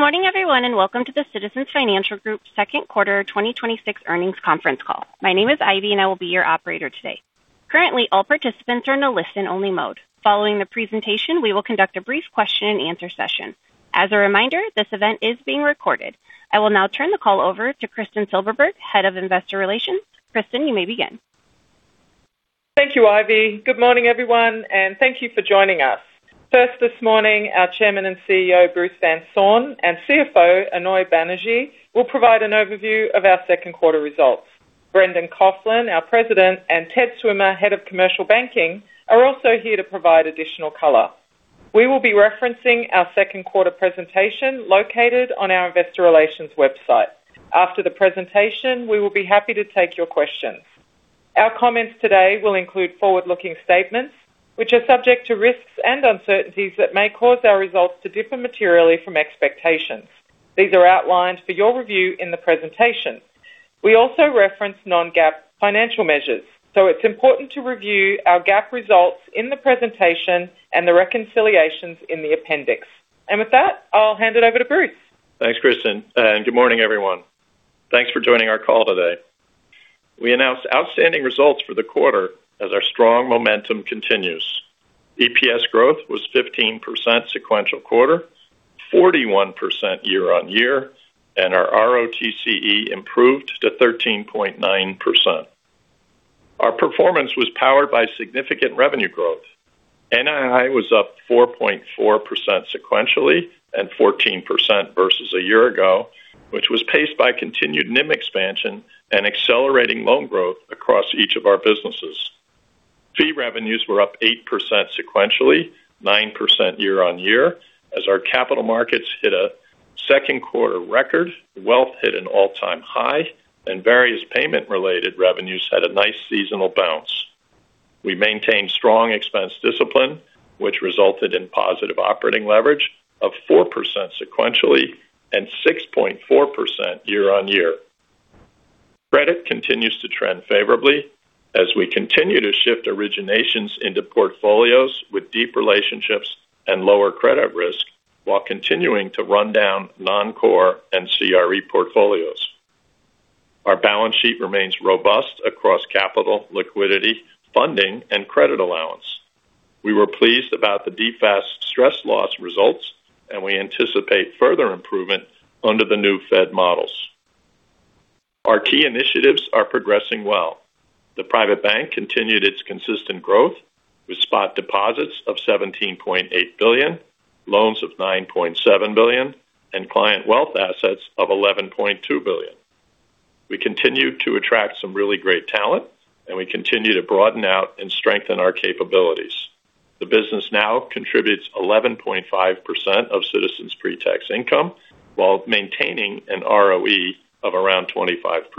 Good morning, everyone, welcome to the Citizens Financial Group second quarter 2026 earnings conference call. My name is Ivy and I will be your operator today. Currently, all participants are in a listen only mode. Following the presentation, we will conduct a brief question and answer session. As a reminder, this event is being recorded. I will now turn the call over to Kristen Silverberg, Head of Investor Relations. Kristen, you may begin. Thank you, Ivy. Good morning, everyone, thank you for joining us. First this morning, our Chairman and CEO, Bruce Van Saun, and CFO, Aunoy Banerjee, will provide an overview of our second quarter results. Brendan Coughlin, our president, and Ted Swimmer, Head of Commercial Banking, are also here to provide additional color. We will be referencing our second quarter presentation located on our investor relations website. After the presentation, we will be happy to take your questions. Our comments today will include forward-looking statements, which are subject to risks and uncertainties that may cause our results to differ materially from expectations. These are outlined for your review in the presentation. We also reference non-GAAP financial measures, so it's important to review our GAAP results in the presentation and the reconciliations in the appendix. With that, I'll hand it over to Bruce. Thanks Kristen, good morning, everyone. Thanks for joining our call today. We announced outstanding results for the quarter as our strong momentum continues. EPS growth was 15% sequential quarter, 41% year-on-year, and our ROTCE improved to 13.9%. Our performance was powered by significant revenue growth. NII was up 4.4% sequentially and 14% versus a year ago, which was paced by continued NIM expansion and accelerating loan growth across each of our businesses. Fee revenues were up 8% sequentially, 9% year-on-year as our capital markets hit a second quarter record, wealth hit an all-time high, and various payment-related revenues had a nice seasonal bounce. We maintained strong expense discipline, which resulted in positive operating leverage of 4% sequentially and 6.4% year-on-year. Credit continues to trend favorably as we continue to shift originations into portfolios with deep relationships and lower credit risk while continuing to run down non-core and CRE portfolios. Our balance sheet remains robust across capital, liquidity, funding, and credit allowance. We were pleased about the DFAST stress loss results, and we anticipate further improvement under the new Fed models. Our key initiatives are progressing well. The private bank continued its consistent growth with spot deposits of $17.8 billion, loans of $9.7 billion, and client wealth assets of $11.2 billion. We continue to attract some really great talent; we continue to broaden out and strengthen our capabilities. The business now contributes 11.5% of Citizens pre-tax income while maintaining an ROE of around 25%.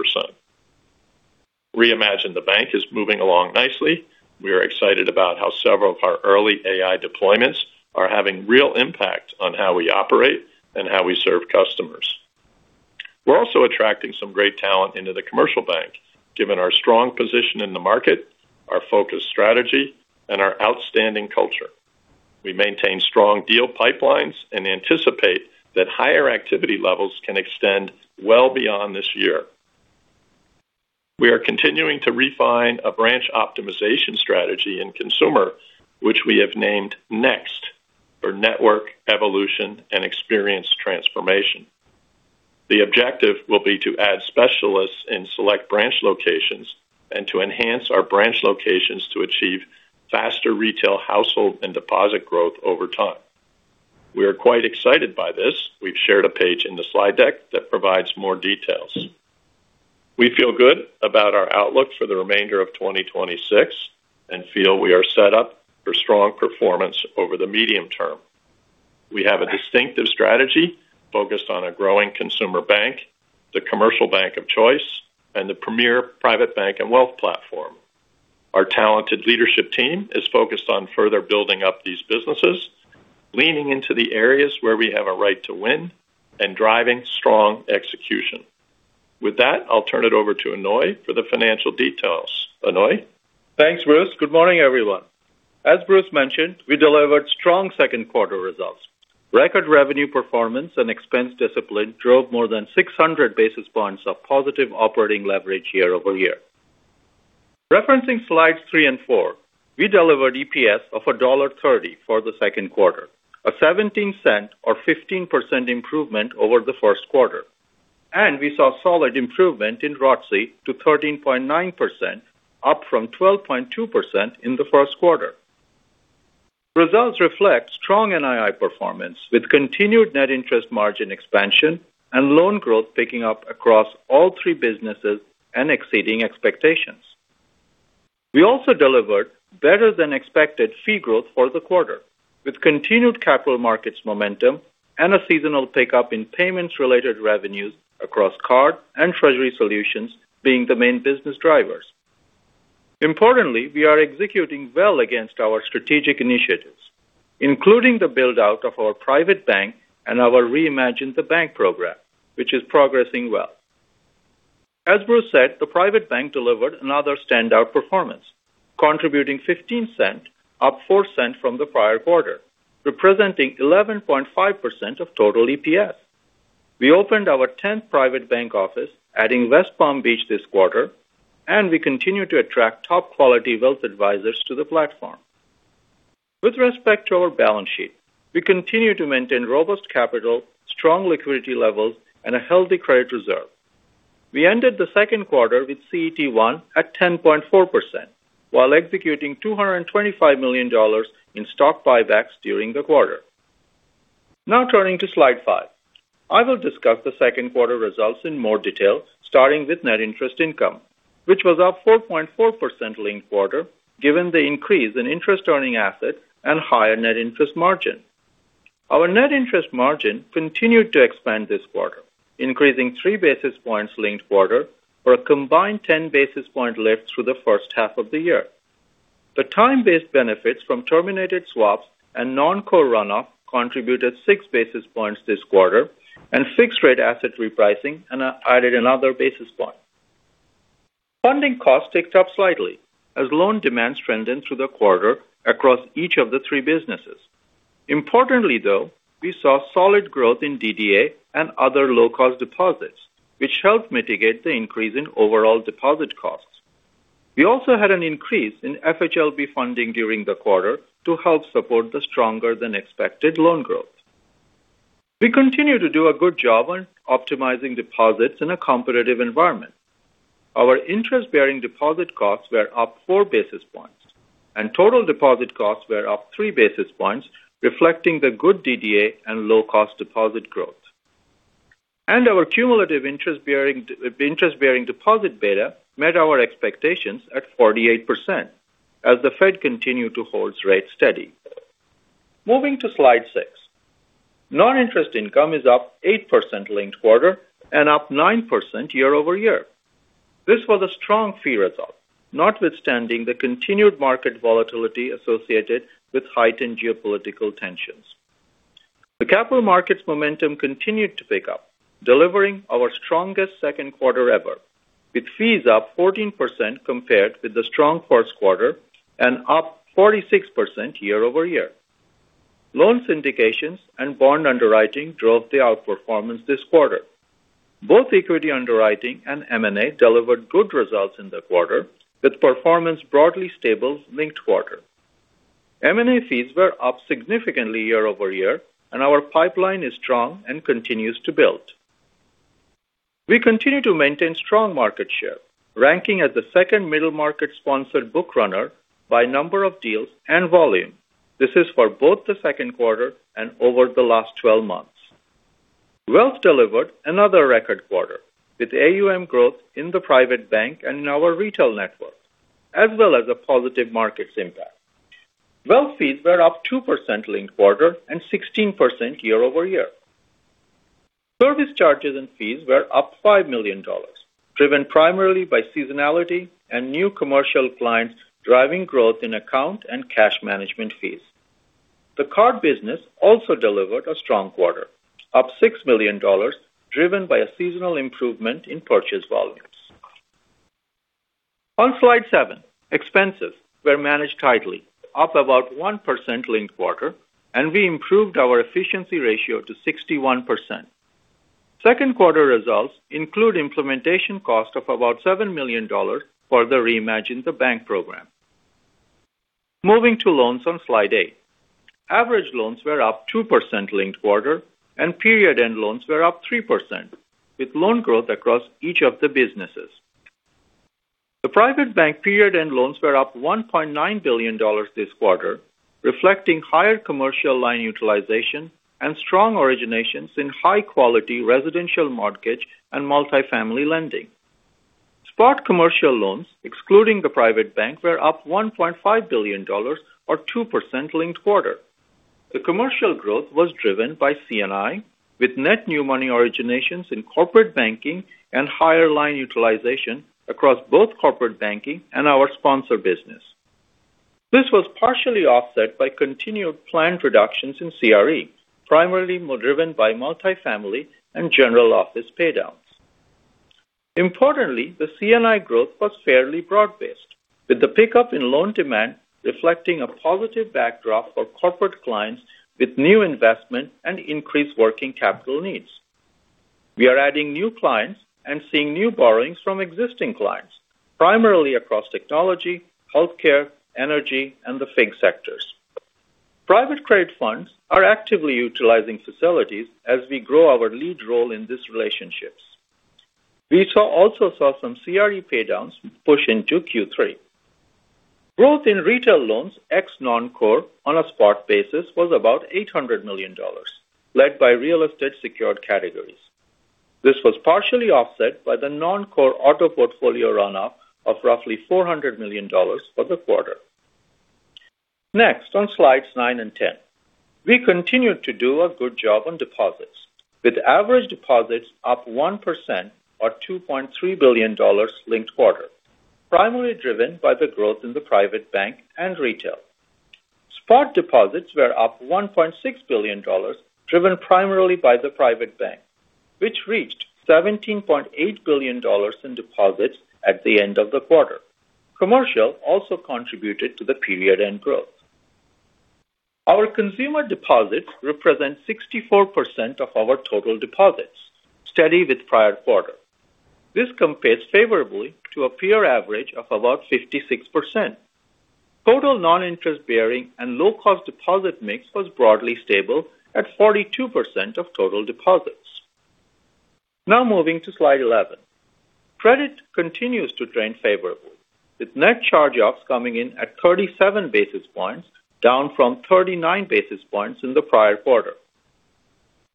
Reimagine the Bank is moving along nicely. We are excited about how several of our early AI deployments are having real impact on how we operate and how we serve customers. We're also attracting some great talent into the Commercial Bank, given our strong position in the market, our focused strategy, and our outstanding culture. We maintain strong deal pipelines and anticipate that higher activity levels can extend well beyond this year. We are continuing to refine a branch optimization strategy in consumer, which we have named NEXT, or Network Evolution and Experience Transformation. The objective will be to add specialists in select branch locations and to enhance our branch locations to achieve faster retail household and deposit growth over time. We are quite excited by this. We've shared a page in the slide deck that provides more details. We feel good about our outlook for the remainder of 2026 and feel we are set up for strong performance over the medium term. We have a distinctive strategy focused on a growing consumer bank, the commercial bank of choice, and the premier private bank and wealth platform. Our talented leadership team is focused on further building up these businesses, leaning into the areas where we have a right to win, and driving strong execution. With that, I'll turn it over to Aunoy for the financial details. Aunoy? Thanks, Bruce. Good morning, everyone. As Bruce mentioned, we delivered strong second quarter results. Record revenue performance and expense discipline drove more than 600 basis points of positive operating leverage year-over-year. Referencing Slides 3 and Slide 4, we delivered EPS of $1.30 for the second quarter, a $0.17 or 15% improvement over the first quarter. We saw solid improvement in ROTCE to 13.9%, up from 12.2% in the first quarter. Results reflect strong NII performance with continued net interest margin expansion and loan growth picking up across all three businesses and exceeding expectations. We also delivered better than expected fee growth for the quarter with continued capital markets momentum and a seasonal pickup in payments-related revenues across card and treasury solutions being the main business drivers. Importantly, we are executing well against our strategic initiatives, including the build-out of our private bank and our Reimagine the Bank program, which is progressing well. As Bruce said, the private bank delivered another standout performance, contributing $0.15, up $0.04 from the prior quarter, representing 11.5% of total EPS. We opened our 10th private bank office, adding West Palm Beach this quarter, and we continue to attract top-quality wealth advisors to the platform. With respect to our balance sheet, we continue to maintain robust capital, strong liquidity levels, and a healthy credit reserve. We ended the second quarter with CET1 at 10.4%, while executing $225 million in stock buybacks during the quarter. Turning to Slide 5. I will discuss the second quarter results in more detail, starting with net interest income, which was up 4.4% linked quarter given the increase in interest-earning assets and higher net interest margin. Our net interest margin continued to expand this quarter, increasing three basis points linked quarter or a combined 10 basis point lift through the first half of the year. The time-based benefits from terminated swaps and non-core runoff contributed six basis points this quarter, and fixed rate asset repricing added another basis point. Funding costs ticked up slightly as loan demand strengthened through the quarter across each of the three businesses. Importantly, though, we saw solid growth in DDA and other low-cost deposits, which helped mitigate the increase in overall deposit costs. We also had an increase in FHLB funding during the quarter to help support the stronger than expected loan growth. We continue to do a good job on optimizing deposits in a competitive environment. Our interest-bearing deposit costs were up four basis points, and total deposit costs were up three basis points, reflecting the good DDA and low-cost deposit growth. Our cumulative interest-bearing deposit beta met our expectations at 48%, as the Fed continued to hold rates steady. Moving to Slide 6. Non-interest income is up 8% linked quarter and up 9% year-over-year. This was a strong fee result, notwithstanding the continued market volatility associated with heightened geopolitical tensions. The capital markets momentum continued to pick up, delivering our strongest second quarter ever, with fees up 14% compared with the strong first quarter and up 46% year-over-year. Loan syndications and bond underwriting drove the outperformance this quarter. Both equity underwriting and M&A delivered good results in the quarter, with performance broadly stable linked quarter. M&A fees were up significantly year-over-year, and our pipeline is strong and continues to build. We continue to maintain strong market share, ranking as the second middle-market sponsored book runner by number of deals and volume. This is for both the second quarter and over the last 12 months. Wealth delivered another record quarter, with AUM growth in the private bank and in our retail network, as well as a positive markets impact. Wealth fees were up 2% linked quarter and 16% year-over-year. Service charges and fees were up $5 million, driven primarily by seasonality and new commercial clients driving growth in account and cash management fees. The card business also delivered a strong quarter, up $6 million, driven by a seasonal improvement in purchase volumes. On Slide 7, expenses were managed tightly, up about 1% linked quarter, and we improved our efficiency ratio to 61%. Second quarter results include implementation cost of about $7 million for the Reimagine the Bank program. Moving to loans on Slide 8. Average loans were up 2% linked quarter, and period-end loans were up 3%, with loan growth across each of the businesses. The private bank period-end loans were up $1.9 billion this quarter, reflecting higher commercial line utilization and strong originations in high-quality residential mortgage and multifamily lending. Spot commercial loans, excluding the private bank, were up $1.5 billion, or 2% linked quarter. The commercial growth was driven by C&I with net new money originations in corporate banking and higher line utilization across both corporate banking and our sponsor business. This was partially offset by continued planned reductions in CRE, primarily more driven by multifamily and general office paydowns. Importantly, the C&I growth was fairly broad-based, with the pickup in loan demand reflecting a positive backdrop for corporate clients with new investment and increased working capital needs. We are adding new clients and seeing new borrowings from existing clients, primarily across technology, healthcare, energy, and the FIG sectors. Private credit funds are actively utilizing facilities as we grow our lead role in these relationships. We also saw some CRE paydowns push into Q3. Growth in retail loans ex non-core on a spot basis was about $800 million, led by real estate secured categories. This was partially offset by the non-core auto portfolio runoff of roughly $400 million for the quarter. Next, on Slide 9 and Slide 10. We continued to do a good job on deposits, with average deposits up 1%, or $2.3 billion linked quarter, primarily driven by the growth in the private bank and retail. Spot deposits were up $1.6 billion, driven primarily by the private bank, which reached $17.8 billion in deposits at the end of the quarter. Commercial also contributed to the period end growth. Our consumer deposits represent 64% of our total deposits, steady with prior quarter. This compares favorably to a peer average of about 56%. Total non-interest bearing and low-cost deposit mix was broadly stable at 42% of total deposits. Moving to Slide 11. Credit continues to trend favorably, with net charge-offs coming in at 37 basis points, down from 39 basis points in the prior quarter.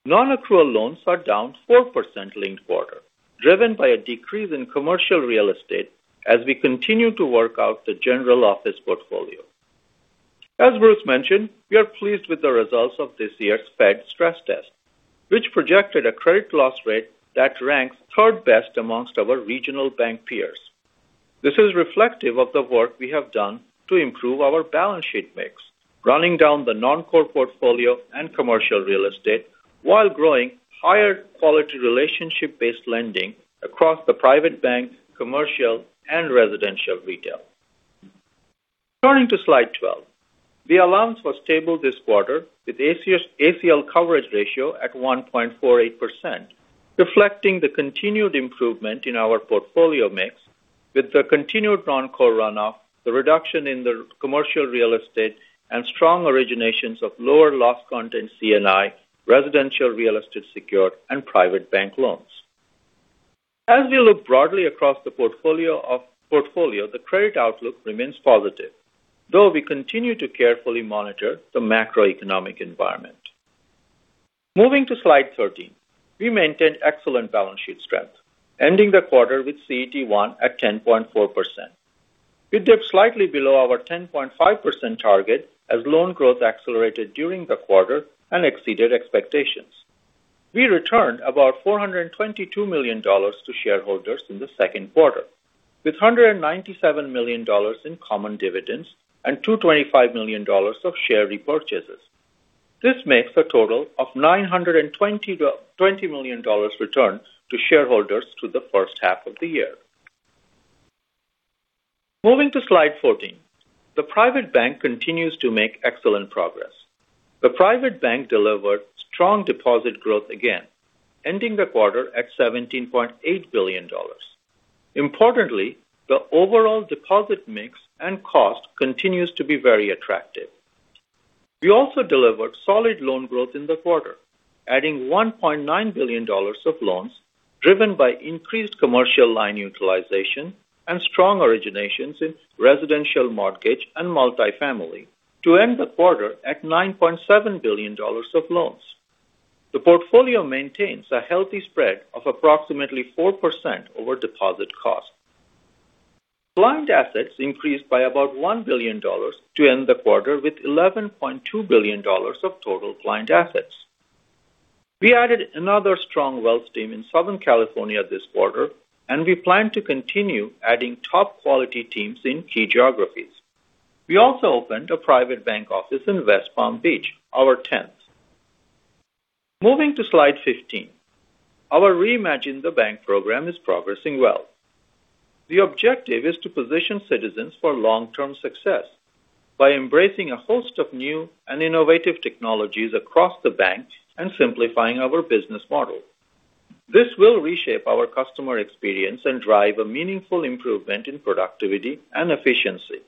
Non-accrual loans are down 4% linked quarter, driven by a decrease in commercial real estate as we continue to work out the general office portfolio. As Bruce mentioned, we are pleased with the results of this year's Fed stress test, which projected a credit loss rate that ranks third best amongst our regional bank peers. This is reflective of the work we have done to improve our balance sheet mix, running down the non-core portfolio and commercial real estate while growing higher quality relationship-based lending across the private bank, commercial, and residential retail. Turning to Slide 12. The allowance was stable this quarter with ACL coverage ratio at 1.48%, reflecting the continued improvement in our portfolio mix with the continued non-core runoff, the reduction in the commercial real estate, and strong originations of lower loss content C&I, residential real estate secured, and private bank loans. As we look broadly across the portfolio, the credit outlook remains positive, though we continue to carefully monitor the macroeconomic environment. Moving to Slide 13. We maintained excellent balance sheet strength, ending the quarter with CET1 at 10.4%. We dipped slightly below our 10.5% target as loan growth accelerated during the quarter and exceeded expectations. We returned about $422 million to shareholders in the second quarter, with $197 million in common dividends and $225 million of share repurchases. This makes a total of $920 million returned to shareholders through the first half of the year. Moving to Slide 14. The private bank continues to make excellent progress. The private bank delivered strong deposit growth again, ending the quarter at $17.8 billion. Importantly, the overall deposit mix and cost continues to be very attractive. We also delivered solid loan growth in the quarter, adding $1.9 billion of loans, driven by increased commercial line utilization and strong originations in residential mortgage and multifamily to end the quarter at $9.7 billion of loans. The portfolio maintains a healthy spread of approximately 4% over deposit cost. Client assets increased by about $1 billion to end the quarter with $11.2 billion of total client assets. We added another strong wealth team in Southern California this quarter, and we plan to continue adding top quality teams in key geographies. We also opened a private bank office in West Palm Beach, our tenth. Moving to Slide 15. Our Reimagine the Bank program is progressing well. The objective is to position Citizens for long-term success by embracing a host of new and innovative technologies across the bank and simplifying our business model. This will reshape our customer experience and drive a meaningful improvement in productivity and efficiency.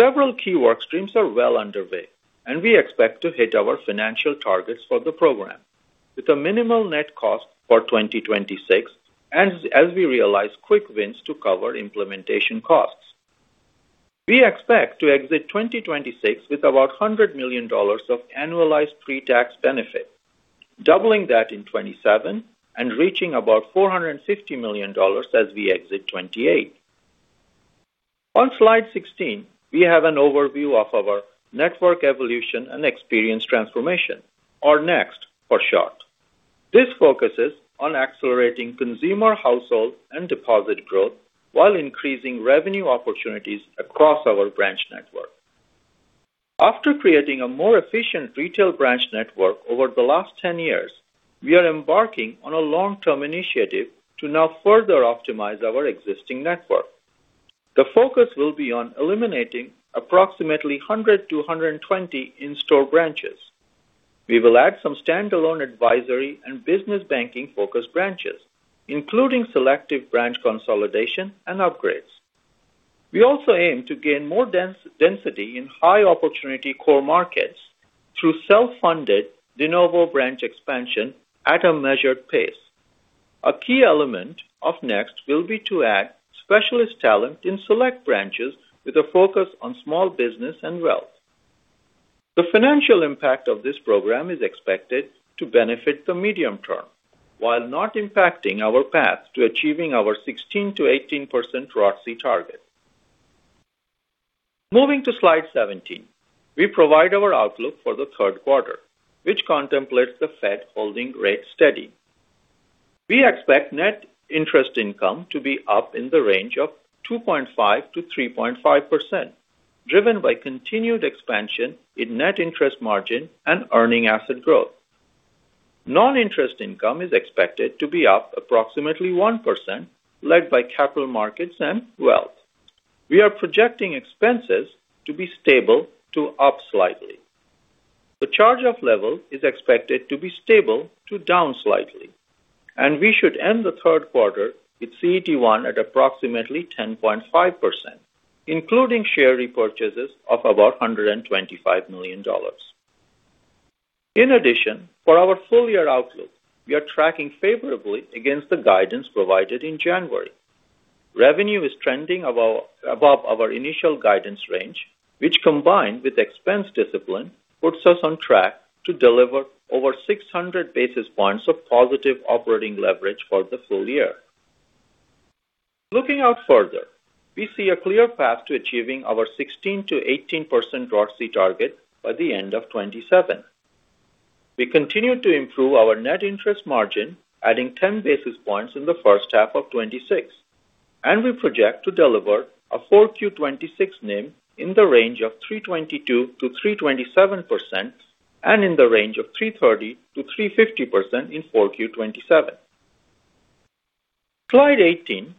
Several key work streams are well underway, and we expect to hit our financial targets for the program with a minimal net cost for 2026 as we realize quick wins to cover implementation costs. We expect to exit 2026 with about $100 million of annualized pre-tax benefit, doubling that in 2027 and reaching about $450 million as we exit 2028. On Slide 16, we have an overview of our Network Evolution and Experience Transformation, or NEXT for short. This focuses on accelerating consumer household and deposit growth while increasing revenue opportunities across our branch network. After creating a more efficient retail branch network over the last 10 years, we are embarking on a long-term initiative to now further optimize our existing network. The focus will be on eliminating approximately 100 to 120 in-store branches. We will add some standalone advisory and business banking-focused branches, including selective branch consolidation and upgrades. We also aim to gain more density in high opportunity core markets through self-funded de novo branch expansion at a measured pace. A key element of NEXT will be to add specialist talent in select branches with a focus on small business and wealth. The financial impact of this program is expected to benefit the medium term while not impacting our path to achieving our 16%-18% ROTCE target. Moving to Slide 17. We provide our outlook for the third quarter, which contemplates the Fed holding rates steady. We expect net interest income to be up in the range of 2.5%-3.5%, driven by continued expansion in net interest margin and earning asset growth. Non-interest income is expected to be up approximately 1%, led by capital markets and wealth. We are projecting expenses to be stable to up slightly. The charge-off level is expected to be stable to down slightly, and we should end the third quarter with CET1 at approximately 10.5%, including share repurchases of about $125 million. For our full-year outlook, we are tracking favorably against the guidance provided in January. Revenue is trending above our initial guidance range, which combined with expense discipline, puts us on track to deliver over 600 basis points of positive operating leverage for the full year. Looking out further, we see a clear path to achieving our 16%-18% ROTCE target by the end of 2027. We continue to improve our net interest margin, adding 10 basis points in the first half of 2026, and we project to deliver a full Q2026 NIM in the range of 322%-327% and in the range of 330%-350% in full Q2027. Slide 18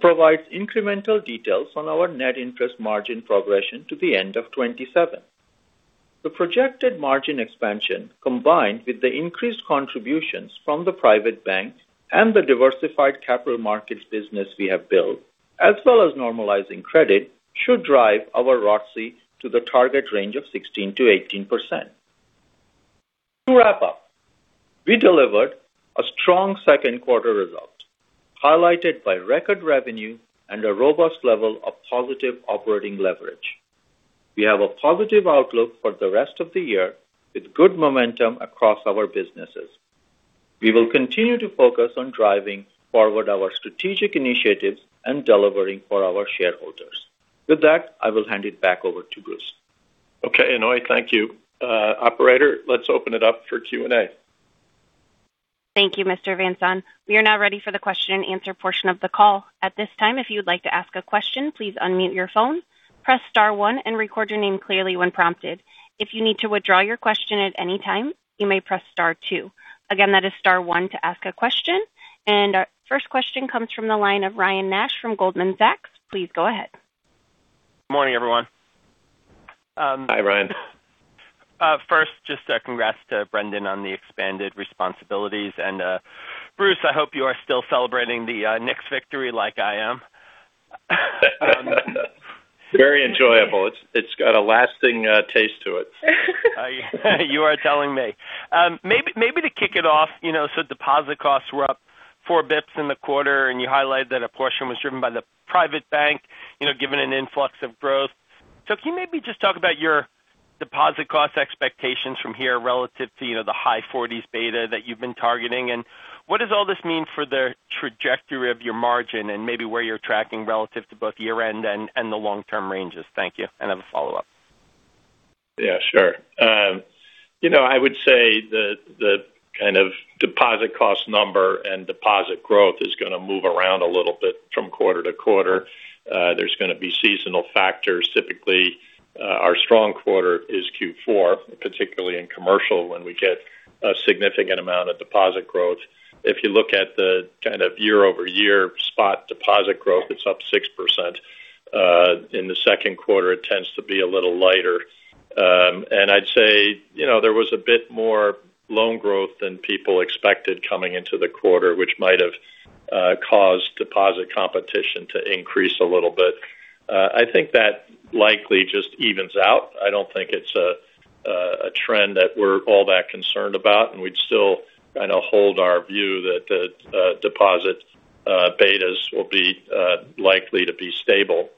provides incremental details on our net interest margin progression to the end of 2027. The projected margin expansion, combined with the increased contributions from the private bank and the diversified capital markets business we have built, as well as normalizing credit, should drive our ROTCE to the target range of 16%-18%. To wrap up, we delivered a strong second quarter result, highlighted by record revenue and a robust level of positive operating leverage. We have a positive outlook for the rest of the year with good momentum across our businesses. We will continue to focus on driving forward our strategic initiatives and delivering for our shareholders. With that, I will hand it back over to Bruce. Okay, Aunoy. Thank you. Operator, let's open it up for Q&A. Thank you, Mr. Van Saun. We are now ready for the question and answer portion of the call. At this time, if you would like to ask a question, please unmute your phone, press star one and record your name clearly when prompted. If you need to withdraw your question at any time, you may press star two. Again, that is star one to ask a question. Our first question comes from the line of Ryan Nash from Goldman Sachs. Please go ahead. Morning, everyone. Hi, Ryan. First, just a congrats to Brendan on the expanded responsibilities. Bruce, I hope you are still celebrating the Knicks victory like I am. Very enjoyable. It's got a lasting taste to it. You are telling me. Maybe to kick it off, deposit costs were up four bps in the quarter, and you highlighted that a portion was driven by the private bank, given an influx of growth. Can you maybe just talk about your deposit cost expectations from here relative to the high 40s beta that you've been targeting, and what does all this mean for the trajectory of your margin and maybe where you're tracking relative to both year-end and the long-term ranges? Thank you. I have a follow-up. Yeah, sure. I would say the kind of deposit cost number and deposit growth is going to move around a little bit from quarter to quarter. There's going to be seasonal factors. Typically, our strong quarter is Q4, particularly in commercial, when we get a significant amount of deposit growth. If you look at the kind of year-over-year spot deposit growth, it's up 6%. In the second quarter, it tends to be a little lighter. I'd say there was a bit more loan growth than people expected coming into the quarter, which might have caused deposit competition to increase a little bit. I think that likely just evens out. I don't think it's a trend that we're all that concerned about, we'd still kind of hold our view that deposit betas will be likely to be stable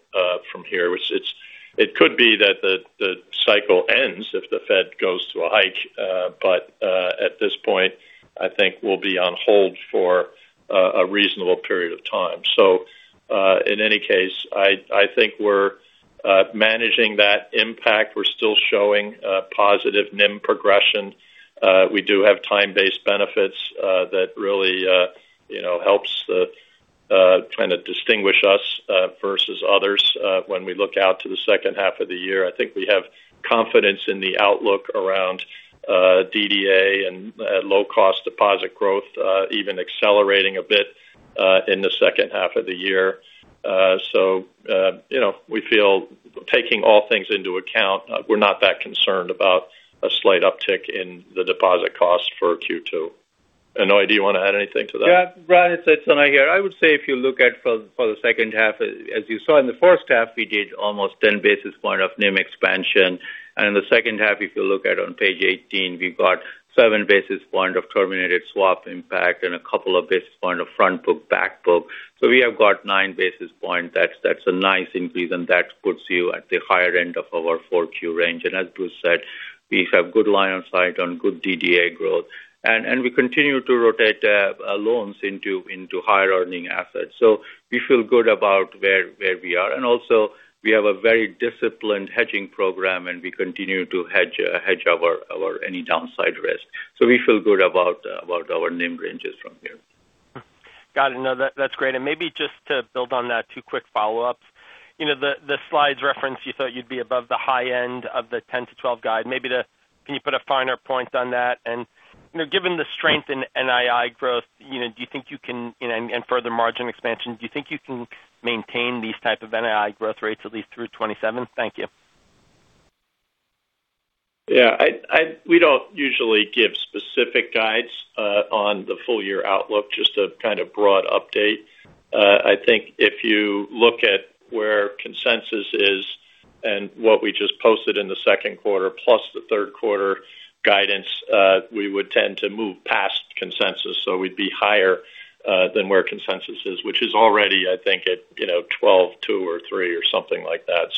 from here. It could be that the cycle ends if the Fed goes to a hike. At this point, I think we'll be on hold for a reasonable period of time. In any case, I think we're managing that impact. We're still showing positive NIM progression. We do have time-based benefits that really helps kind of distinguish us versus others when we look out to the second half of the year. I think we have confidence in the outlook around DDA and low-cost deposit growth even accelerating a bit in the second half of the year. We feel taking all things into account, we're not that concerned about a slight uptick in the deposit cost for Q2. Aunoy, do you want to add anything to that? Yeah, Ryan, it's Aunoy here. I would say if you looked at for the second half, as you saw in the first half, we did almost 10 basis point of NIM expansion. In the second half, if you look at on page 18, we've got seven basis point of terminated swap impact and a couple of basis point of front book, back book. We have got nine basis point. That's a nice increase, that puts you at the higher end of our 4Q range. As Bruce said, we have good line of sight on good DDA growth, we continue to rotate loans into higher earning assets. We feel good about where we are. Also, we have a very disciplined hedging program, we continue to hedge our any downside risk. We feel good about our NIM ranges from here. Got it. No, that's great. Maybe just to build on that, two quick follow-ups. The slides reference you thought you'd be above the high end of the 10-12 guide. Maybe can you put a finer point on that? Given the strength in NII growth and further margin expansion, do you think you can maintain these type of NII growth rates at least through 2027? Thank you. Yeah. We don't usually give specific guides on the full year outlook, just a kind of broad update. I think if you look at where consensus is and what we just posted in the second quarter plus the third quarter guidance, we would tend to move past consensus. We'd be higher than where consensus is, which is already, I think, at 12.2 or 3 or something like that.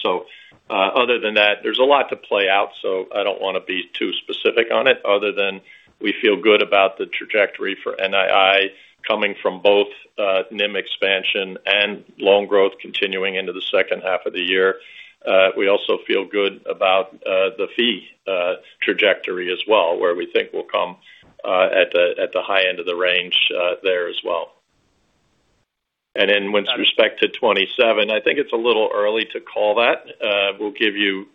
Other than that, there's a lot to play out. I don't want to be too specific on it other than we feel good about the trajectory for NII coming from both NIM expansion and loan growth continuing into the second half of the year. We also feel good about the fee trajectory as well, where we think we'll come at the high end of the range there as well. With respect to 2027, I think it's a little early to call that. We'll give you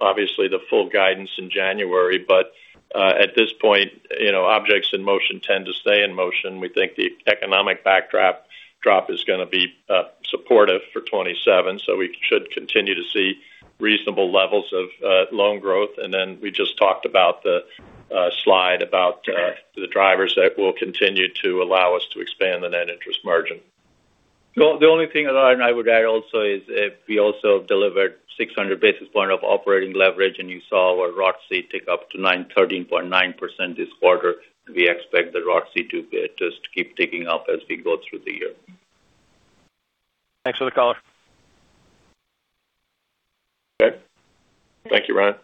obviously the full guidance in January, but at this point objects in motion tend to stay in motion. We think the economic backdrop is going to be supportive for 2027. We should continue to see reasonable levels of loan growth. We just talked about the slide about the drivers that will continue to allow us to expand the net interest margin. The only thing that I would add also is we also delivered 600 basis points of operating leverage, and you saw our ROTCE tick up to 13.9% this quarter. We expect the ROTCE to just keep ticking up as we go through the year. Thanks for the color. Okay. Thank you, Ryan.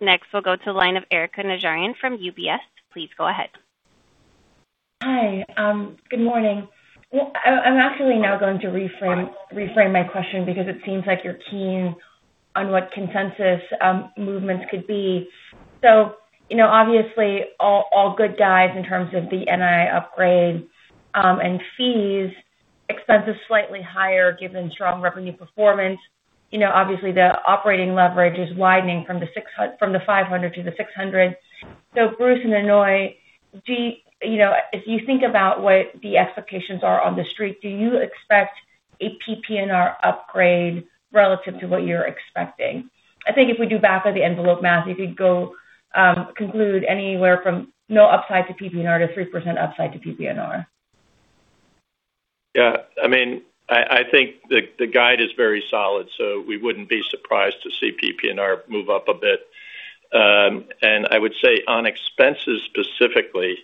Next, we'll go to the line of Erika Najarian from UBS. Please go ahead. Hi. Good morning. I'm actually now going to reframe my question because it seems like you're keen on what consensus movements could be. Obviously, all good guides in terms of the NII upgrade and fees. Expenses slightly higher given strong revenue performance. Obviously, the operating leverage is widening from the 500 to the 600. Bruce and Aunoy, if you think about what the expectations are on the Street, do you expect a PPNR upgrade relative to what you're expecting? I think if we do back of the envelope math, if you'd go conclude anywhere from no upside to PPNR to 3% upside to PPNR. Yeah. I think the guide is very solid. We wouldn't be surprised to see PPNR move up a bit. I would say on expenses specifically,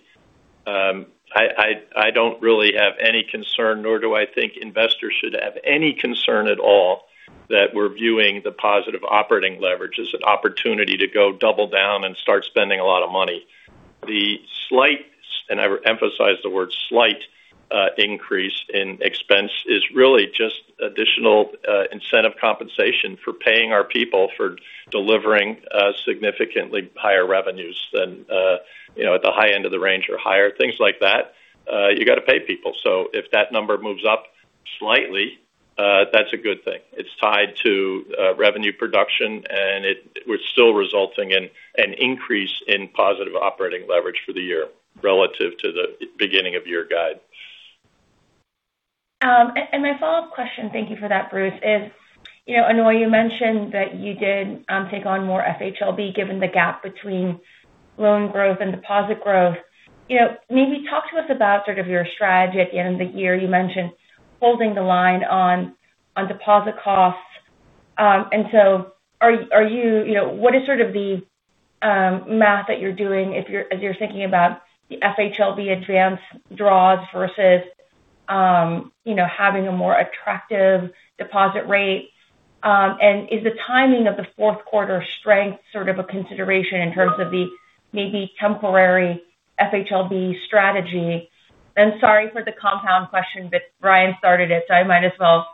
I don't really have any concern, nor do I think investors should have any concern at all that we're viewing the positive operating leverage as an opportunity to go double down and start spending a lot of money. The slight, and I emphasize the word slight, increase in expense is really just additional incentive compensation for paying our people for delivering significantly higher revenues than at the high end of the range or higher. Things like that, you got to pay people. If that number moves up slightly, that's a good thing. It's tied to revenue production, and it was still resulting in an increase in positive operating leverage for the year relative to the beginning of year guide. My follow-up question, thank you for that, Bruce, is, Aunoy, you mentioned that you did take on more FHLB given the gap between loan growth and deposit growth. Maybe talk to us about sort of your strategy at the end of the year. You mentioned holding the line on deposit costs. So, what is sort of the math that you're doing as you're thinking about the FHLB advance draws versus having a more attractive deposit rate? Is the timing of the fourth quarter strength sort of a consideration in terms of the maybe temporary FHLB strategy? I'm sorry for the compound question, Ryan started it, so I might as well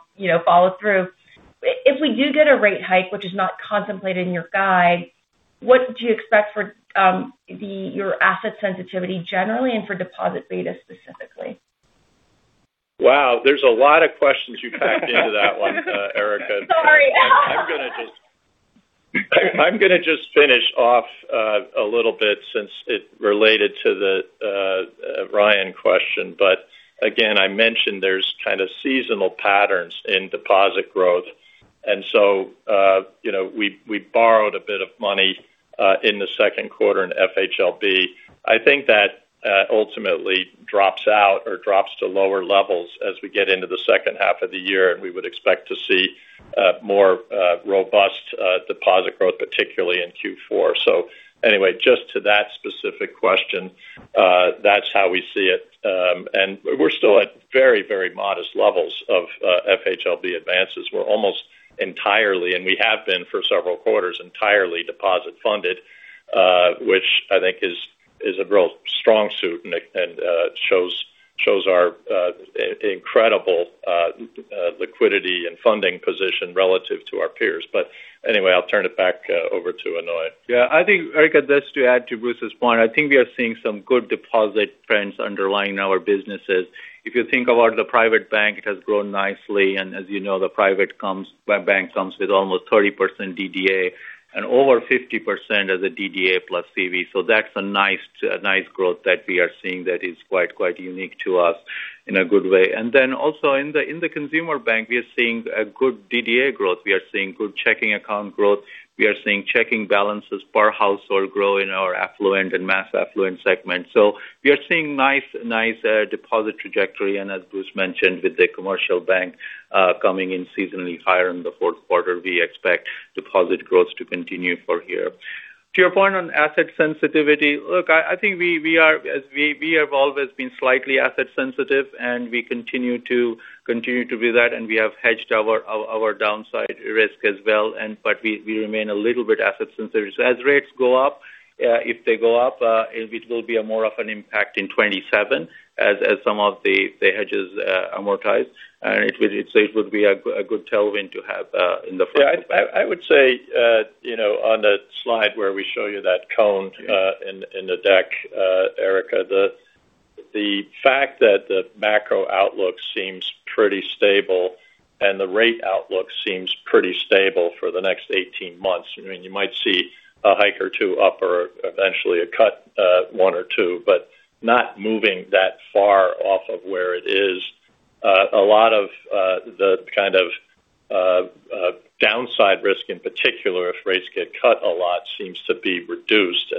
follow through. If we do get a rate hike, which is not contemplated in your guide, what do you expect for your asset sensitivity generally and for deposit beta specifically? Wow. There's a lot of questions you packed into that one, Erika. Sorry. I'm going to just finish off a little bit since it related to the Ryan question. Again, I mentioned there's kind of seasonal patterns in deposit growth. So, we borrowed a bit of money in the second quarter in FHLB. I think that ultimately drops out or drops to lower levels as we get into the second half of the year, and we would expect to see more robust deposit growth, particularly in Q4. Anyway, just to that specific question, that's how we see it. We're still at very modest levels of FHLB advances. We're almost entirely, and we have been for several quarters, entirely deposit funded, which I think is a real strong suit and shows our incredible liquidity and funding position relative to our peers. Anyway, I'll turn it back over to Aunoy. I think, Erika, just to add to Bruce's point, I think we are seeing some good deposit trends underlying our businesses. If you think about the private bank, it has grown nicely. As you know, the private bank comes with almost 30% DDA and over 50% as a DDA plus CDs. That's a nice growth that we are seeing that is quite unique to us in a good way. Also in the consumer bank, we are seeing a good DDA growth. We are seeing good checking account growth. We are seeing checking balances per household grow in our affluent and mass affluent segment. We are seeing nice deposit trajectory. As Bruce mentioned, with the commercial bank coming in seasonally higher in the fourth quarter, we expect deposit growth to continue for here. To your point on asset sensitivity, look, I think we have always been slightly asset sensitive. We continue to be that, and we have hedged our downside risk as well. We remain a little bit asset sensitive. As rates go up, if they go up, it will be a more of an impact in 2027 as some of the hedges amortize. It would be a good tailwind to have in the front. I would say on the slide where we show you that cone in the deck, Erika, the fact that the macro-outlook seems pretty stable and the rate outlook seems pretty stable for the next 18 months. You might see a hike or two up or eventually a cut one or two but not moving that far off of where it is. A lot of the kind of downside risk in particular, if rates get cut a lot, seems to be reduced.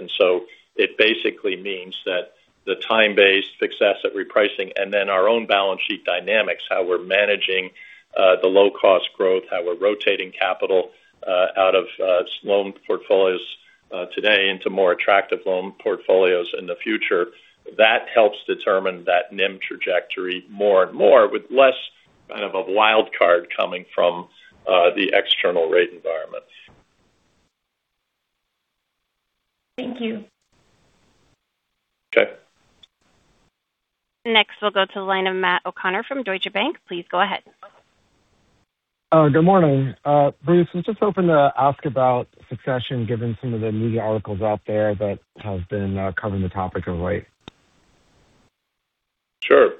It basically means that the time-based fixed asset repricing and then our own balance sheet dynamics, how we're managing the low-cost growth, how we're rotating capital out of loan portfolios today into more attractive loan portfolios in the future. That helps determine that NIM trajectory more and more with less kind of a wild card coming from the external rate environment. Thank you. Okay. Next, we'll go to the line of Matt O'Connor from Deutsche Bank. Please go ahead. Good morning. Bruce, I am just hoping to ask about succession, given some of the media articles out there that have been covering the topic of late. Sure.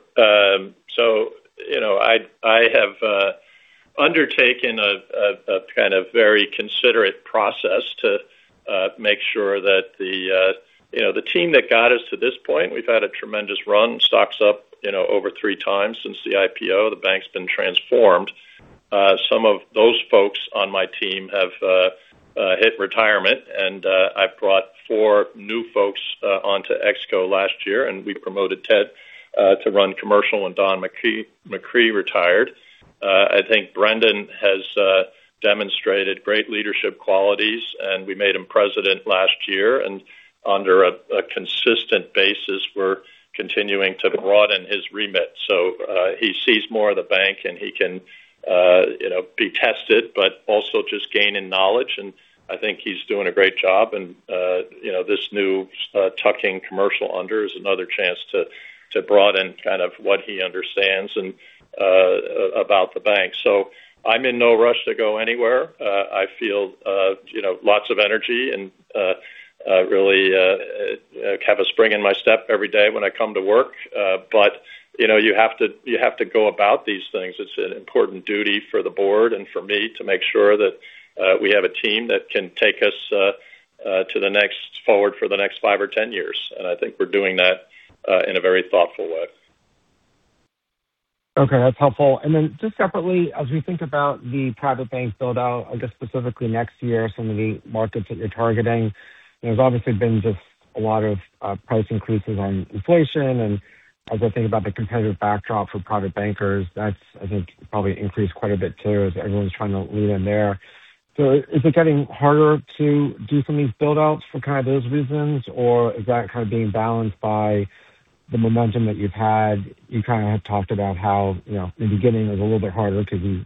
I have undertaken a kind of very considerate process to make sure that the team that got us to this point, we have had a tremendous run. Stock is up over three times since the IPO. The bank has been transformed. Some of those folks on my team have hit retirement, and I have brought four new folks onto ExCo last year, and we promoted Ted to run commercial when Don McCree retired. I think Brendan has demonstrated great leadership qualities, and we made him president last year. Under a consistent basis, we are continuing to broaden his remit so he sees more of the bank and he can be tested, but also just gain in knowledge. I think he is doing a great job. This new tucking commercial under is another chance to broaden kind of what he understands about the bank. I am in no rush to go anywhere. I feel lots of energy and really have a spring in my step every day when I come to work. You have to go about these things. It is an important duty for the board and for me to make sure that we have a team that can take us forward for the next 5 or 10 years. I think we are doing that in a very thoughtful way. Okay, that is helpful. Just separately, as we think about the private bank build-out, I guess specifically next year, some of the markets that you are targeting, there has obviously been just a lot of price increases on inflation. As I think about the competitive backdrop for private bankers, that is I think probably increased quite a bit too, as everyone is trying to lean in there. Is it getting harder to do some of these build-outs for kind of those reasons, or is that kind of being balanced by the momentum that you have had? You kind of talked about how the beginning was a little bit harder because you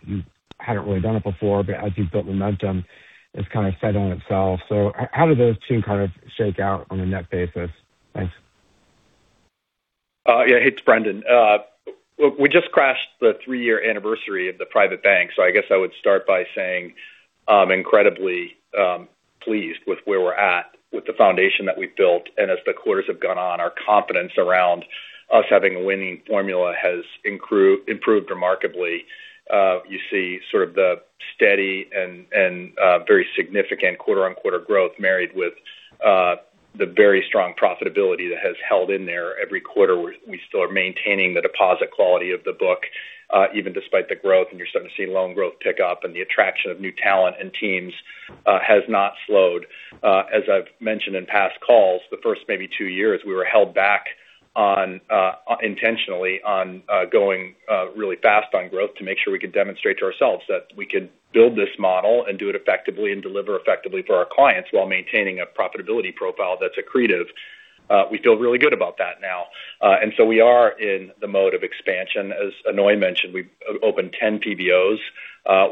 had not really done it before, but as you have built momentum, it is kind of fed on itself. How do those two kind of shake out on a net basis? Thanks. It's Brendan. We just crashed the three-year anniversary of the private bank. I guess I would start by saying I'm incredibly pleased with where we're at with the foundation that we've built. As the quarters have gone on, our confidence around us having a winning formula has improved remarkably. You see sort of the steady and very significant quarter-on-quarter growth married with the very strong profitability that has held in there every quarter. We still are maintaining the deposit quality of the book even despite the growth. You're starting to see loan growth tick up and the attraction of new talent and teams has not slowed. As I've mentioned in past calls, the first maybe two years, we were held back intentionally on going really fast on growth to make sure we could demonstrate to ourselves that we could build this model and do it effectively and deliver effectively for our clients while maintaining a profitability profile that's accretive. We feel really good about that now. We are in the mode of expansion. As Aunoy mentioned, we've opened 10 PBOs.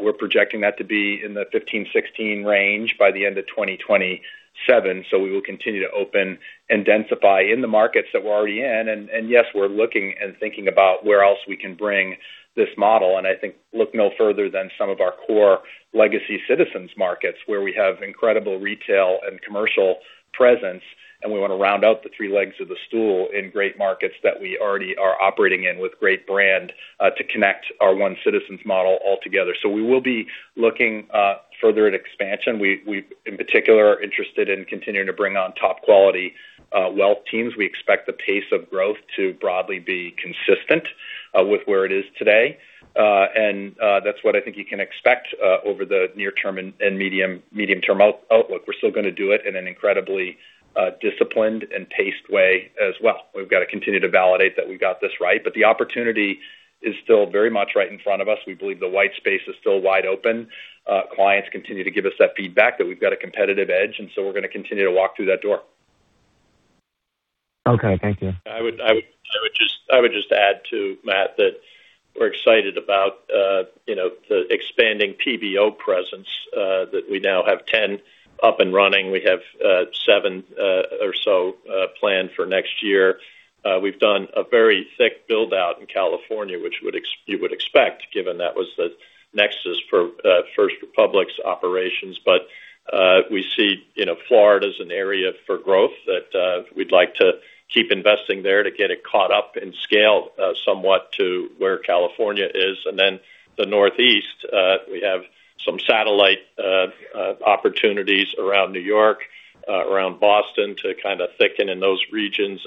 We're projecting that to be in the 15-16 range by the end of 2027. We will continue to open and densify in the markets that we're already in. Yes, we're looking and thinking about where else we can bring this model. I think look no further than some of our core legacy Citizens markets, where we have incredible retail and commercial presence, and we want to round out the three legs of the stool in great markets that we already are operating in with great brand, to connect our OneCitizens model altogether. We will be looking further at expansion. We, in particular, are interested in continuing to bring on top quality wealth teams. We expect the pace of growth to broadly be consistent with where it is today. That's what I think you can expect over the near term and medium-term outlook. We're still going to do it in an incredibly disciplined and paced way as well. We've got to continue to validate that we've got this right. The opportunity is still very much right in front of us. We believe the white space is still wide open. Clients continue to give us that feedback, that we've got a competitive edge, we're going to continue to walk through that door. Okay, thank you. I would just add too, Matt, that we're excited about the expanding PBO presence that we now have 10 up and running. We have seven or so planned for next year. We've done a very thick build-out in California, which you would expect given that was the nexus for First Republic's operations. We see Florida as an area for growth that we'd like to keep investing there to get it caught up in scale somewhat to where California is. The Northeast, we have some satellite opportunities around New York, around Boston to kind of thicken in those regions.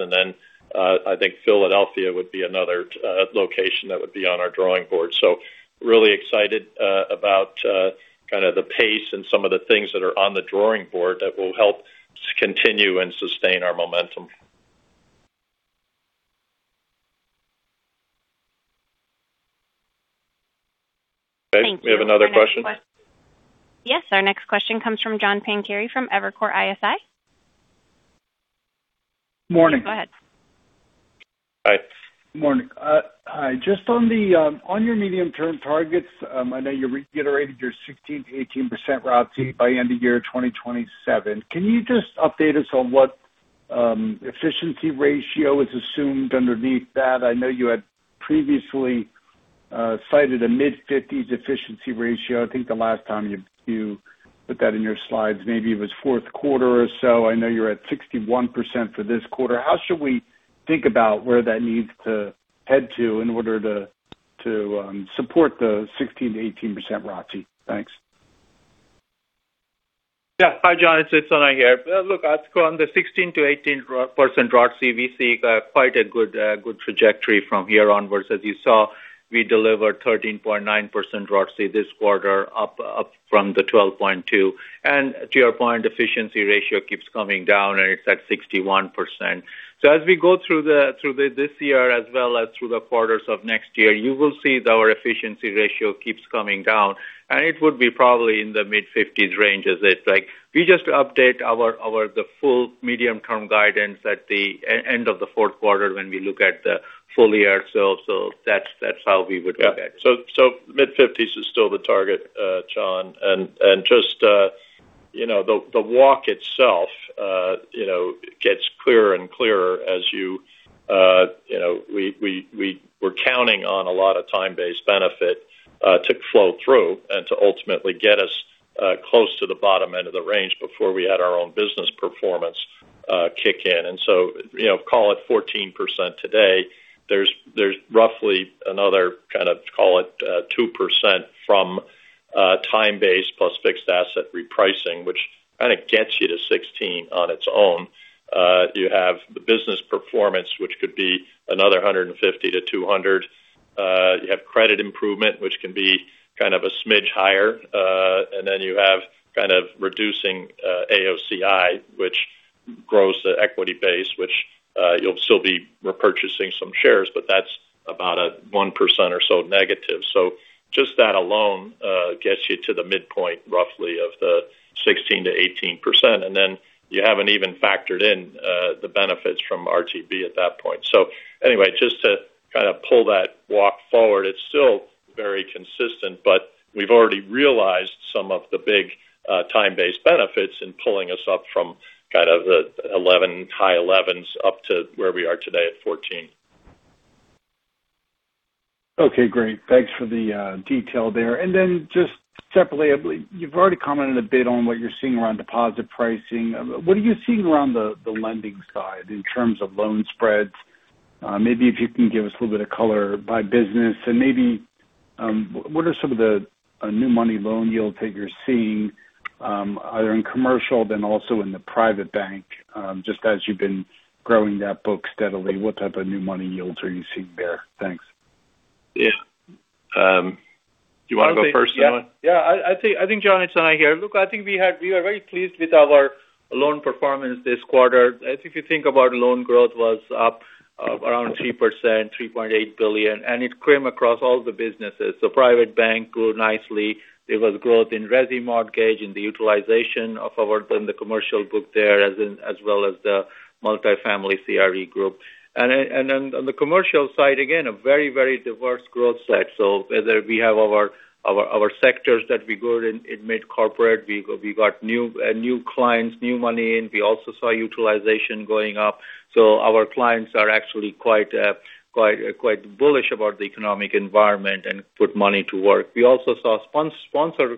I think Philadelphia would be another location that would be on our drawing board. Really excited about kind of the pace and some of the things that are on the drawing board that will help continue and sustain our momentum. Okay. Thank you. Do we have another question? Yes. Our next question comes from John Pancari from Evercore ISI. Morning. Go ahead. Hi. Morning. Hi. Just on your medium-term targets, I know you reiterated your 16%-18% ROTCE by end of year 2027. Can you just update us on what efficiency ratio is assumed underneath that? I know you had previously cited a mid-50s efficiency ratio. I think the last time you put that in your slides, maybe it was fourth quarter or so. I know you're at 61% for this quarter. How should we think about where that needs to head to in order to support the 16%-18% ROTCE? Thanks. Hi, John, it's Aunoy here. Look, on the 16%-18% ROTCE, we see quite a good trajectory from here onwards. As you saw, we delivered 13.9% ROTCE this quarter, up from the 12.2%. To your point, efficiency ratio keeps coming down, and it's at 61%. As we go through this year as well as through the quarters of next year, you will see that our efficiency ratio keeps coming down, and it would be probably in the mid-50s range as it's like. We just update the full medium-term guidance at the end of the fourth quarter when we look at the full year itself. That's how we would look at it. Mid-50s is still the target, John. Just the walk itself gets clearer and clearer as we're counting on a lot of time-based benefit to flow through and to ultimately get us close to the bottom end of the range before we had our own business performance kick in. Call it 14% today. There's roughly another kind of call it 2% from time-based plus fixed asset repricing, which kind of gets you to 16% on its own. You have the business performance, which could be another 150 to 200. You have credit improvement, which can be kind of a smidge higher. Then you have kind of reducing AOCI, which grows the equity base, which you'll still be repurchasing some shares, but that's about a 1% or so negative. Just that alone gets you to the midpoint roughly of the 16%-18%. You haven't even factored in the benefits from RTB at that point. Anyway, just to kind of pull that walk forward, it's still very consistent, but we've already realized some of the big time-based benefits in pulling us up from kind of the high 11s up to where we are today at 14. Okay, great. Thanks for the detail there. Just separately, you've already commented a bit on what you're seeing around deposit pricing. What are you seeing around the lending side in terms of loan spreads? Maybe if you can give us a little bit of color by business and maybe what are some of the new money loan yields that you're seeing either in commercial then also in the private bank just as you've been growing that book steadily, what type of new money yields are you seeing there? Thanks. Yeah. Do you want to go first, Aunoy? Yeah. I think, John, it's Aunoy here. Look, I think we are very pleased with our loan performance this quarter. If you think about loan growth was up around 3%, $3.8 billion, and it came across all the businesses. Private bank grew nicely. There was growth in resi mortgage in the utilization of our commercial book there, as well as the multifamily CRE group. On the commercial side, again, a very diverse growth set. Whether we have our sectors that we grew in mid-corporate, we got new clients, new money in. We also saw utilization going up. Our clients are actually quite bullish about the economic environment and put money to work. We also saw sponsor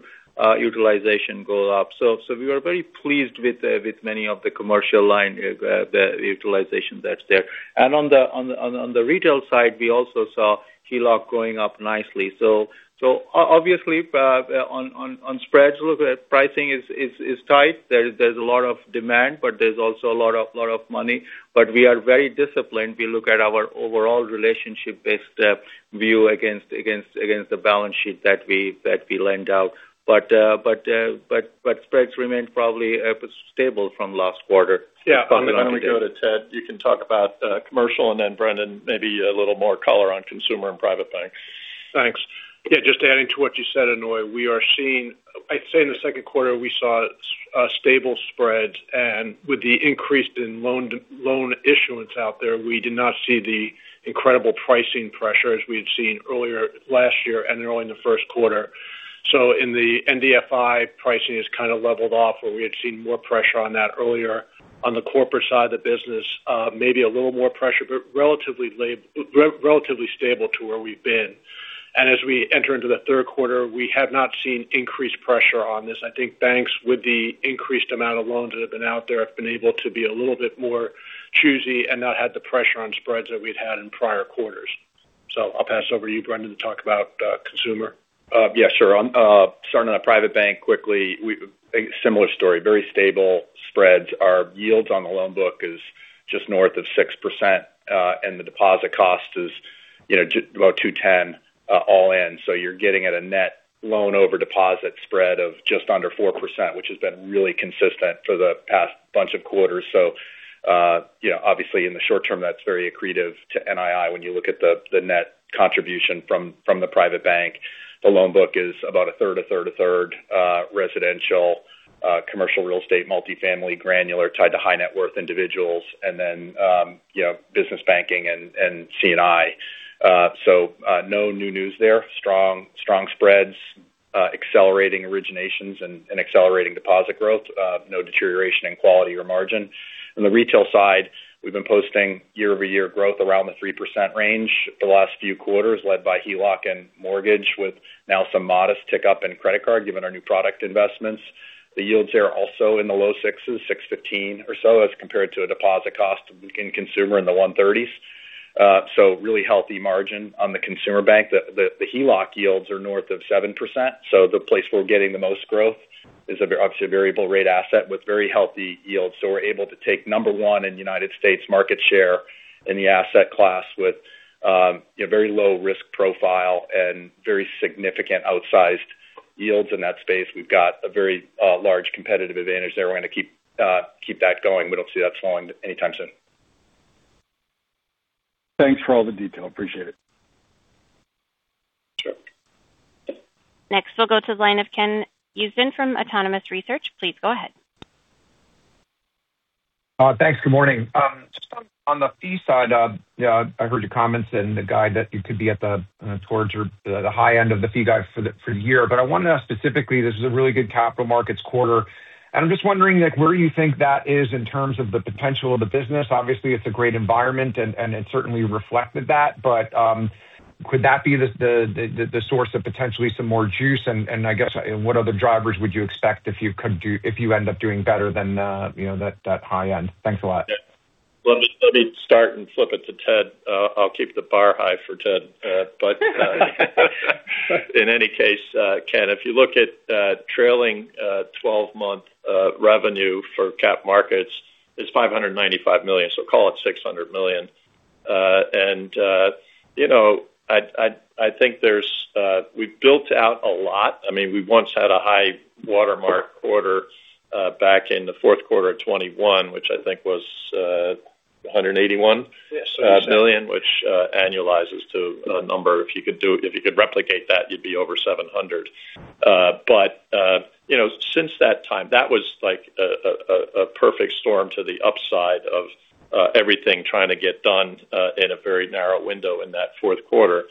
utilization go up. We are very pleased with many of the commercial line utilization that is there. On the retail side, we also saw HELOC going up nicely. Obviously, on spreads, pricing is tight. There is a lot of demand, there is also a lot of money, but we are very disciplined. We look at our overall relationship-based view against the balance sheet that we lend out. Spreads remain probably stable from last quarter. I am going to go to Ted. You can talk about commercial and then Brendan, maybe a little more color on consumer and private bank. Thanks. Just adding to what you said, Aunoy, I would say in the second quarter, we saw stable spreads. With the increase in loan issuance out there, we did not see the incredible pricing pressures we had seen earlier last year and early in the first quarter. In the MDI, pricing has kind of leveled off where we had seen more pressure on that earlier on the corporate side of the business. Maybe a little more pressure, but relatively stable to where we have been. As we enter into the third quarter, we have not seen increased pressure on this. I think banks, with the increased amount of loans that have been out there, have been able to be a little bit more choosy and not had the pressure on spreads that we had had in prior quarters. I will pass over to you, Brendan, to talk about consumer. Yes, sure. Starting on a private bank quickly. Similar story, very stable spreads. Our yields on the loan book is just north of 6%, and the deposit cost is about 210 all in. You are getting at a net loan over deposit spread of just under 4%, which has been really consistent for the past bunch of quarters. Obviously, in the short term, that is very accretive to NII when you look at the net contribution from the private bank. The loan book is about a third, a third, a third residential, commercial real estate, multifamily, granular, tied to high-net-worth individuals, and then business banking and C&I. No new news there. Strong spreads, accelerating originations, and accelerating deposit growth. No deterioration in quality or margin. On the retail side, we've been posting year-over-year growth around the 3% range for the last few quarters, led by HELOC and mortgage, with now some modest tick up in credit card, given our new product investments. The yields there also in the low 6s, 615 or so, as compared to a deposit cost in consumer in the 130s. Really healthy margin on the consumer bank. The HELOC yields are north of 7%. The place we're getting the most growth is obviously a variable rate asset with very healthy yields. We're able to take number one in United States market share in the asset class with very low risk profile and very significant outsized yields in that space. We've got a very large competitive advantage there. We're going to keep that going. We don't see that slowing anytime soon. Thanks for all the detail. Appreciate it. Sure. Next, we'll go to the line of Ken Usdin from Autonomous Research. Please go ahead. Thanks. Good morning. Just on the fee side, I heard your comments in the guide that you could be at towards the high end of the fee guide for the year. I want to know specifically, this is a really good capital markets quarter, I'm just wondering where you think that is in terms of the potential of the business. Obviously, it's a great environment, it certainly reflected that. Could that be the source of potentially some more juice? I guess what other drivers would you expect if you end up doing better than that high end? Thanks a lot. Well, let me start and flip it to Ted. I'll keep the bar high for Ted. In any case, Ken, if you look at trailing 12-month revenue for cap markets, it's $595 million, so call it $600 million. I think we've built out a lot. We once had a high watermark quarter back in the fourth quarter of 2021, which I think was $181 million. Yes. Which annualizes to a number. If you could replicate that, you'd be over $700. Since that time, that was like a perfect storm to the upside of everything trying to get done in a very narrow window in that fourth quarter.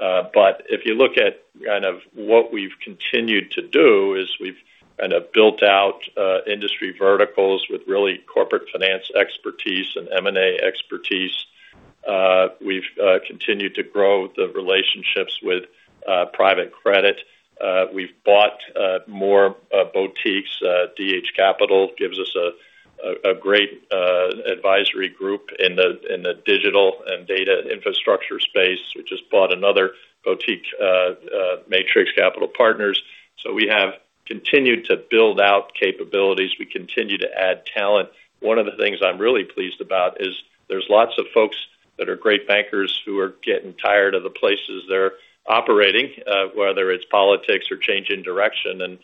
If you look at kind of what we've continued to do is we've kind of built out industry verticals with really corporate finance expertise and M&A expertise. We've continued to grow the relationships with private credit. We've bought more boutiques. DH Capital gives us a great advisory group in the digital and data infrastructure space. We just bought another boutique, Matrix Capital Partners. We have continued to build out capabilities. We continue to add talent. One of the things I'm really pleased about is there's lots of folks that are great bankers who are getting tired of the places they're operating whether it's politics or change in direction, and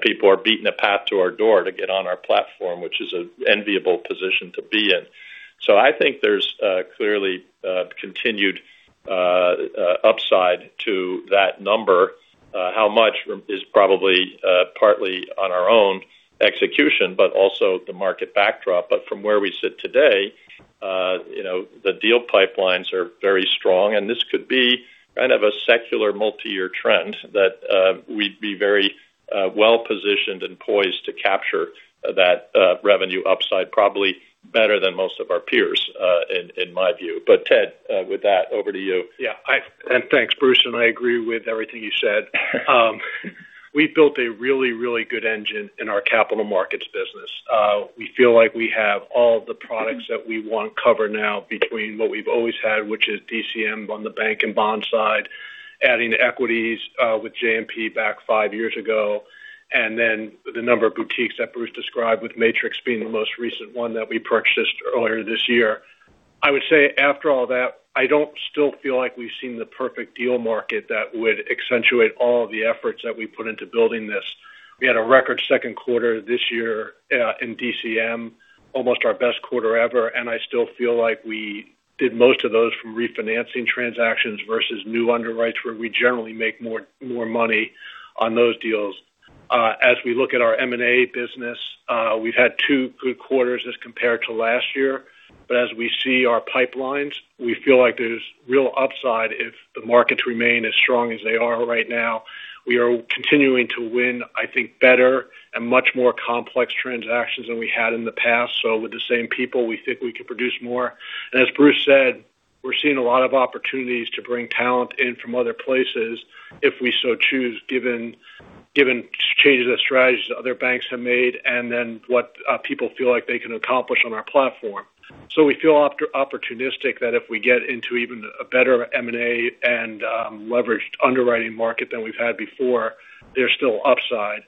people are beating a path to our door to get on our platform, which is an enviable position to be in. I think there's clearly continued upside to that number. How much is probably partly on our own execution, but also the market backdrop. From where we sit today the deal pipelines are very strong, and this could be kind of a secular multi-year trend that we'd be very well-positioned and poised to capture that revenue upside, probably better than most of our peers, in my view. Ted, with that, over to you. Yeah. Thanks, Bruce, and I agree with everything you said. We've built a really, really good engine in our capital markets business. We feel like we have all the products that we want covered now between what we've always had, which is DCM on the bank and bond side, adding equities with JMP back five years ago, and then the number of boutiques that Bruce described, with Matrix being the most recent one that we purchased earlier this year. I would say after all that, I don't still feel like we've seen the perfect deal market that would accentuate all of the efforts that we've put into building this. We had a record second quarter this year in DCM, almost our best quarter ever, and I still feel like we did most of those from refinancing transactions versus new underwrites where we generally make more money on those deals. As we look at our M&A business we've had two good quarters as compared to last year. As we see our pipelines, we feel like there's real upside if the markets remain as strong as they are right now. We are continuing to win, I think, better and much more complex transactions than we had in the past. With the same people, we think we can produce more. As Bruce said, we're seeing a lot of opportunities to bring talent in from other places if we so choose given changes of strategies that other banks have made, and then what people feel like they can accomplish on our platform. We feel opportunistic that if we get into even a better M&A and leveraged underwriting market than we've had before, there's still upside.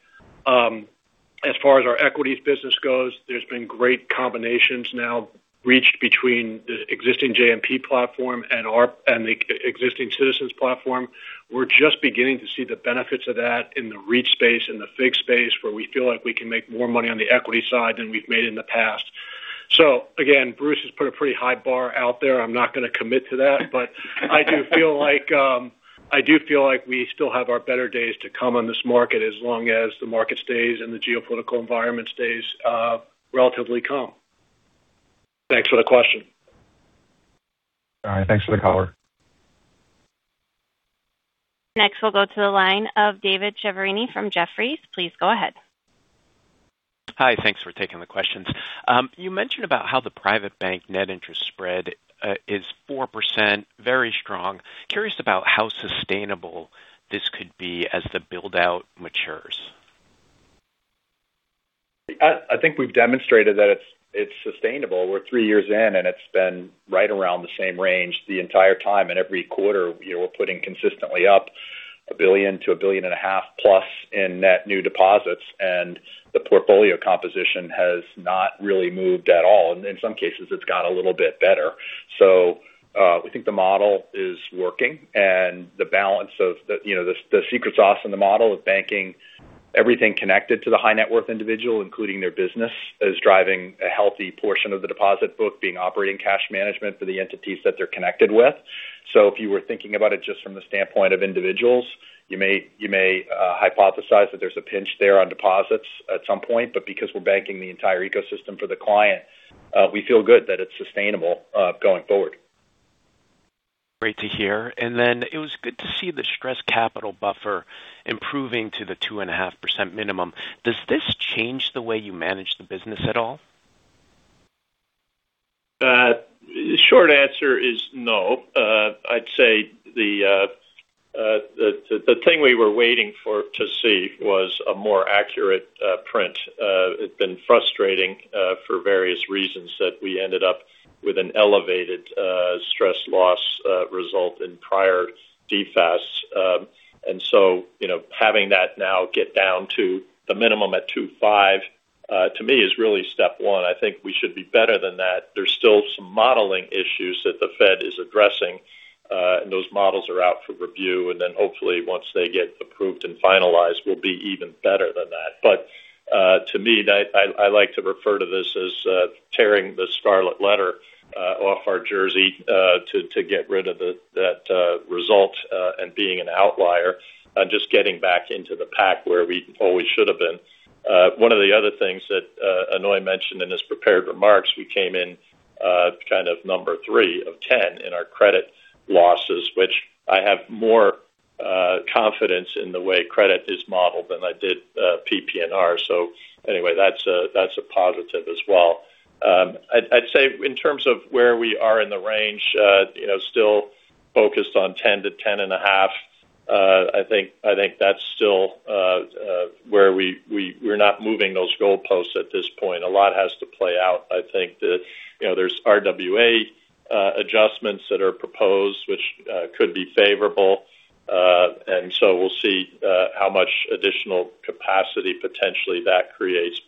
As far as our equities business goes, there's been great combinations now reached between the existing JMP platform and the existing Citizens platform. We're just beginning to see the benefits of that in the REIT space, in the FIG space, where we feel like we can make more money on the equity side than we've made in the past. Again, Bruce has put a pretty high bar out there. I'm not going to commit to that. I do feel like we still have our better days to come on this market as long as the market stays and the geopolitical environment stays relatively calm. Thanks for the question. All right. Thanks for the color. Next, we'll go to the line of Dave Chiaverini from Jefferies. Please go ahead. Hi. Thanks for taking the questions. You mentioned about how the private bank net interest spread is 4%, very strong. Curious about how sustainable this could be as the build-out matures. I think we've demonstrated that it's sustainable. We're three years in; it's been right around the same range the entire time. Every quarter, we're putting consistently up $1 billion to $1.5 billion plus in net new deposits, and the portfolio composition has not really moved at all. In some cases, it's got a little bit better. We think the model is working and the secret sauce in the model is banking everything connected to the high-net-worth individual, including their business, is driving a healthy portion of the deposit book being operating cash management for the entities that they're connected with. If you were thinking about it just from the standpoint of individuals, you may hypothesize that there's a pinch there on deposits at some point, but because we're banking the entire ecosystem for the client, we feel good that it's sustainable going forward. Great to hear. It was good to see the stress capital buffer improving to the 2.5% minimum. Does this change the way you manage the business at all? The short answer is no. I'd say the thing we were waiting for to see was a more accurate print. It's been frustrating for various reasons that we ended up with an elevated stress loss result in prior DFAST. Having that now get down to the minimum at 2.5 to me is really step one. I think we should be better than that. There's still some modeling issues that the Fed is addressing. Those models are out for review, and then hopefully once they get approved and finalized, we'll be even better than that. To me, I like to refer to this as tearing the scarlet letter off our jersey to get rid of that result and being an outlier and just getting back into the pack where we always should have been. One of the other things that Aunoy mentioned in his prepared remarks, we came in kind of number 3 of 10 in our credit losses, which I have more confidence in the way credit is modeled than I did PPNR. Anyway, that's a positive as well. I'd say in terms of where we are in the range still focused on 10 to 10.5. I think that's still where we're not moving those goalposts at this point. A lot has to play out. I think that there's RWA adjustments that are proposed which could be favorable. We'll see how much additional capacity potentially that creates.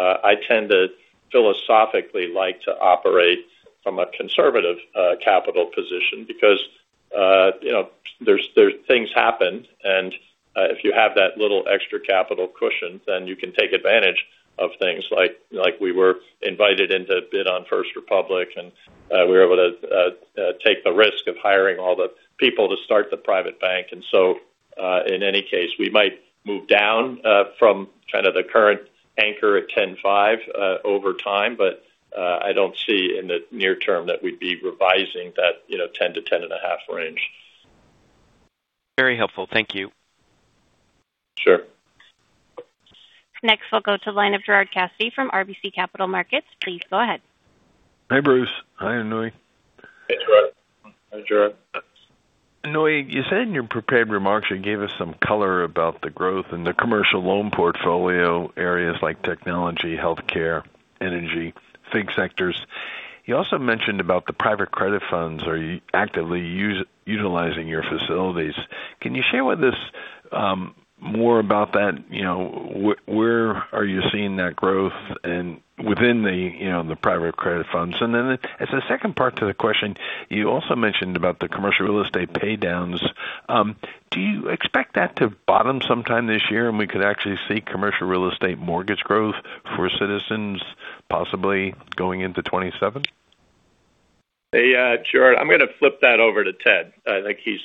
I tend to philosophically like to operate from a conservative capital position because there's things happen, and if you have that little extra capital cushion, then you can take advantage of things. Like we were invited in to bid on First Republic, and we were able to take the risk of hiring all the people to start the private bank. In any case, we might move down from kind of the current anchor at 10.5 over time. I don't see in the near term that we'd be revising that 10 to 10.5 range. Very helpful. Thank you. Sure. Next, we'll go to the line of Gerard Cassidy from RBC Capital Markets. Please go ahead. Hi, Bruce. Hi, Aunoy. Hey, Gerard. Aunoy, you said in your prepared remarks, you gave us some color about the growth in the commercial loan portfolio areas like technology, healthcare, energy, FIG sectors. You also mentioned about the private credit funds are actively utilizing your facilities. Can you share with us more about that? Where are you seeing that growth and within the private credit funds? As a second part to the question, you also mentioned about the commercial real estate pay downs. Do you expect that to bottom sometime this year, and we could actually see commercial real estate mortgage growth for Citizens possibly going into 2027? Hey, Gerard. I'm going to flip that over to Ted. I think he's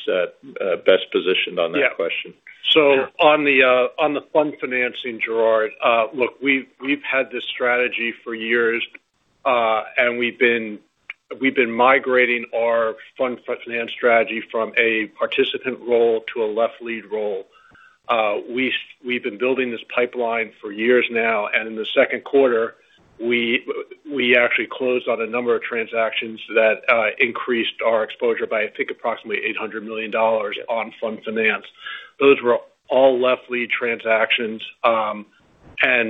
best positioned on that question. On the fund financing, Gerard, look, we've had this strategy for years. We've been migrating our fund finance strategy from a participant role to a left lead role. We've been building this pipeline for years now, and in the second quarter, we actually closed on a number of transactions that increased our exposure by, I think, approximately $800 million on fund finance. Those were all left lead transactions and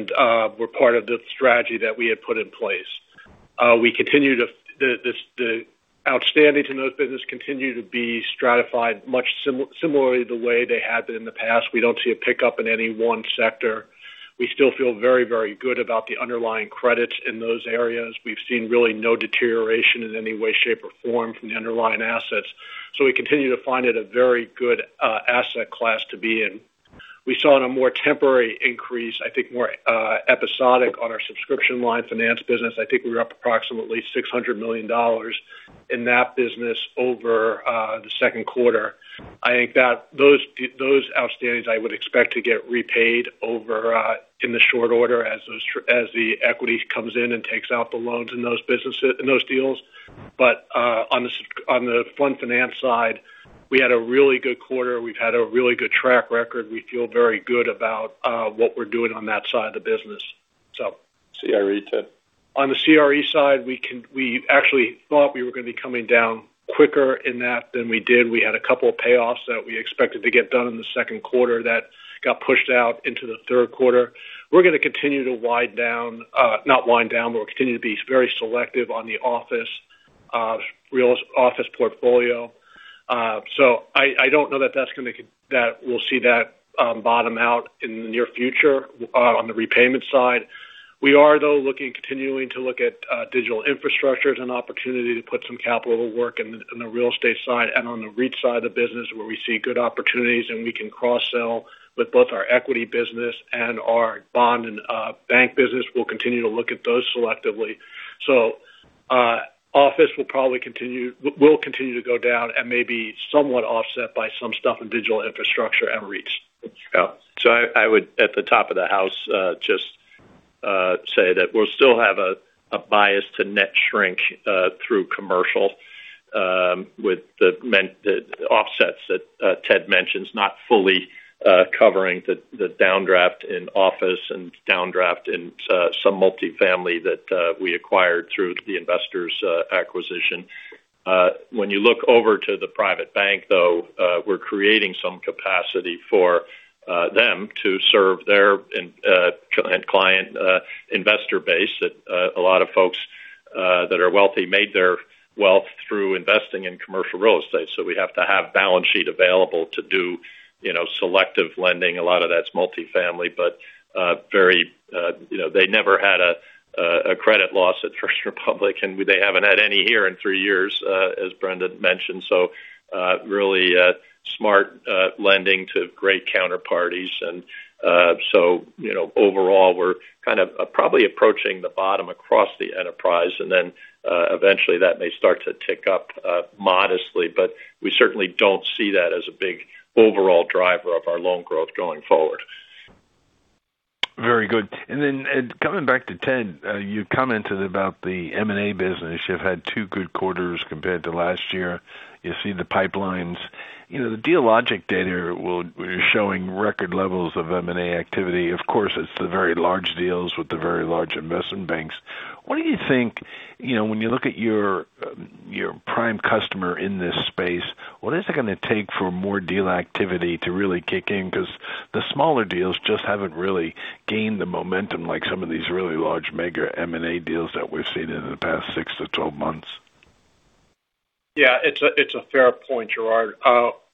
were part of the strategy that we had put in place. The outstanding to note business continue to be stratified much similarly the way they had been in the past. We don't see a pickup in any one sector. We still feel very, very good about the underlying credits in those areas. We've seen really no deterioration in any way, shape, or form from the underlying assets. We continue to find it a very good asset class to be in. We saw in a more temporary increase, I think more episodic on our subscription line finance business. I think we were up approximately $600 million in that business over the second quarter. I think that those outstandings I would expect to get repaid over in the short order as the equity comes in and takes out the loans in those deals. On the fund finance side, we had a really good quarter. We've had a really good track record. We feel very good about what we're doing on that side of the business. CRE, Ted. On the CRE side, we actually thought we were going to be coming down quicker in that than we did. We had a couple of payoffs that we expected to get done in the second quarter that got pushed out into the third quarter. We're going to continue to not wind down, but we'll continue to be very selective on the office portfolio. I don't know that we'll see that bottom out in the near future on the repayment side. We are, though, continuing to look at digital infrastructure as an opportunity to put some capital to work in the real estate side and on the REIT side of the business where we see good opportunities and we can cross-sell with both our equity business and our bond and bank business. We'll continue to look at those selectively. Office will continue to go down and may be somewhat offset by some stuff in digital infrastructure and REITs. I would at the top of the house just say that we'll still have a bias to net shrink through commercial with the offsets that Ted mentions not fully covering the downdraft in office and downdraft in some multifamily that we acquired through the Investors acquisition. When you look over to the private bank, though, we're creating some capacity for them to serve their end client investor base that a lot of folks that are wealthy made their wealth through investing in commercial real estate. We have to have balance sheet available to do selective lending. A lot of that's multifamily, but they never had a credit loss at First Republic, and they haven't had any here in three years, as Brendan mentioned. Really smart lending to great counterparties. Overall, we're kind of probably approaching the bottom across the enterprise. Eventually that may start to tick up modestly, but we certainly don't see that as a big overall driver of our loan growth going forward. Very good. Coming back to Ted, you commented about the M&A business. You've had two good quarters compared to last year. You see the pipelines. The Dealogic data is showing record levels of M&A activity. Of course, it's the very large deals with the very large investment banks. What do you think when you look at your prime customer in this space, what is it going to take for more deal activity to really kick in? Because the smaller deals just haven't really gained the momentum like some of these really large mega M&A deals that we've seen in the past 6-12 months. Yeah, it's a fair point, Gerard.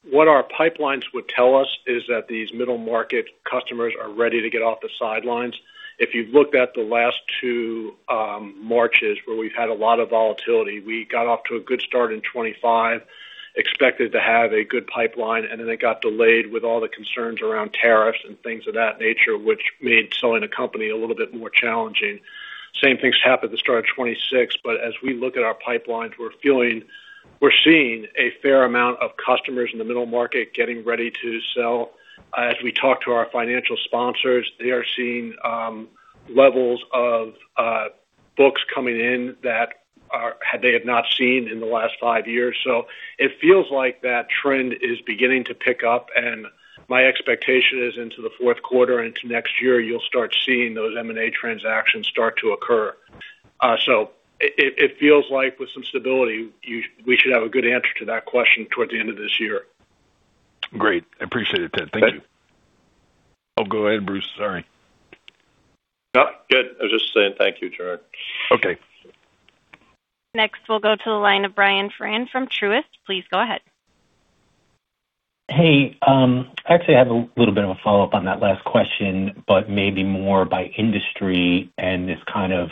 What our pipelines would tell us is that these middle market customers are ready to get off the sidelines. If you looked at the last two Marches where we've had a lot of volatility, we got off to a good start in 2025, expected to have a good pipeline, and then it got delayed with all the concerns around tariffs and things of that nature, which made selling a company a little bit more challenging. Same things happened at the start of 2026, as we look at our pipelines, we're seeing a fair amount of customers in the middle market getting ready to sell. As we talk to our financial sponsors, they are seeing levels of books coming in that they have not seen in the last five years. It feels like that trend is beginning to pick up, my expectation is into the fourth quarter, into next year, you'll start seeing those M&A transactions start to occur. It feels like with some stability, we should have a good answer to that question toward the end of this year. Great. I appreciate it, Ted. Thank you. Go ahead, Bruce. Sorry. No. Good. I was just saying thank you, Gerard. Okay. Next, we'll go to the line of Brian Foran from Truist. Please go ahead. Hey. I actually have a little bit of a follow-up on that last question, maybe more by industry and this kind of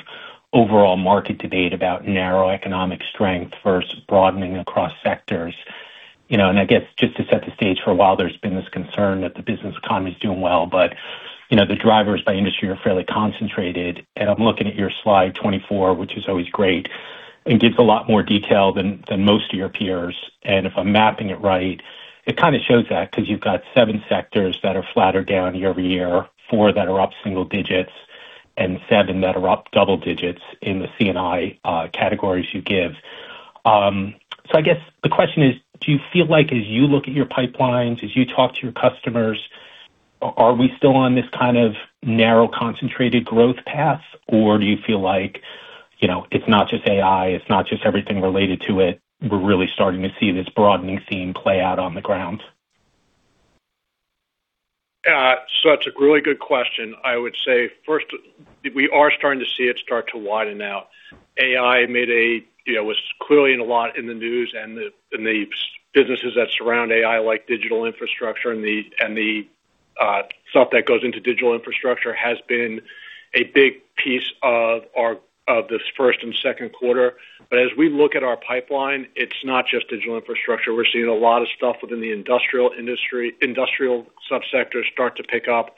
overall market debate about narrow economic strength versus broadening across sectors. I guess just to set the stage, for a while, there's been this concern that the business economy is doing well, the drivers by industry are fairly concentrated. I'm looking at your Slide 24, which is always great and gives a lot more detail than most of your peers. If I'm mapping it right, it kind of shows that because you've got seven sectors that are flat or down year-over-year, four that are up single digits, and seven that are up double digits in the C&I categories you give. I guess the question is, do you feel like as you look at your pipelines, as you talk to your customers, are we still on this kind of narrow, concentrated growth path? Do you feel like it's not just AI, it's not just everything related to it, we're really starting to see this broadening theme play out on the ground? That's a really good question. I would say first, we are starting to see it start to widen out. AI was clearly in a lot in the news and the businesses that surround AI, like digital infrastructure and the stuff that goes into digital infrastructure, has been a big piece of this first and second quarter. As we look at our pipeline, it's not just digital infrastructure. We're seeing a lot of stuff within the industrial subsector start to pick up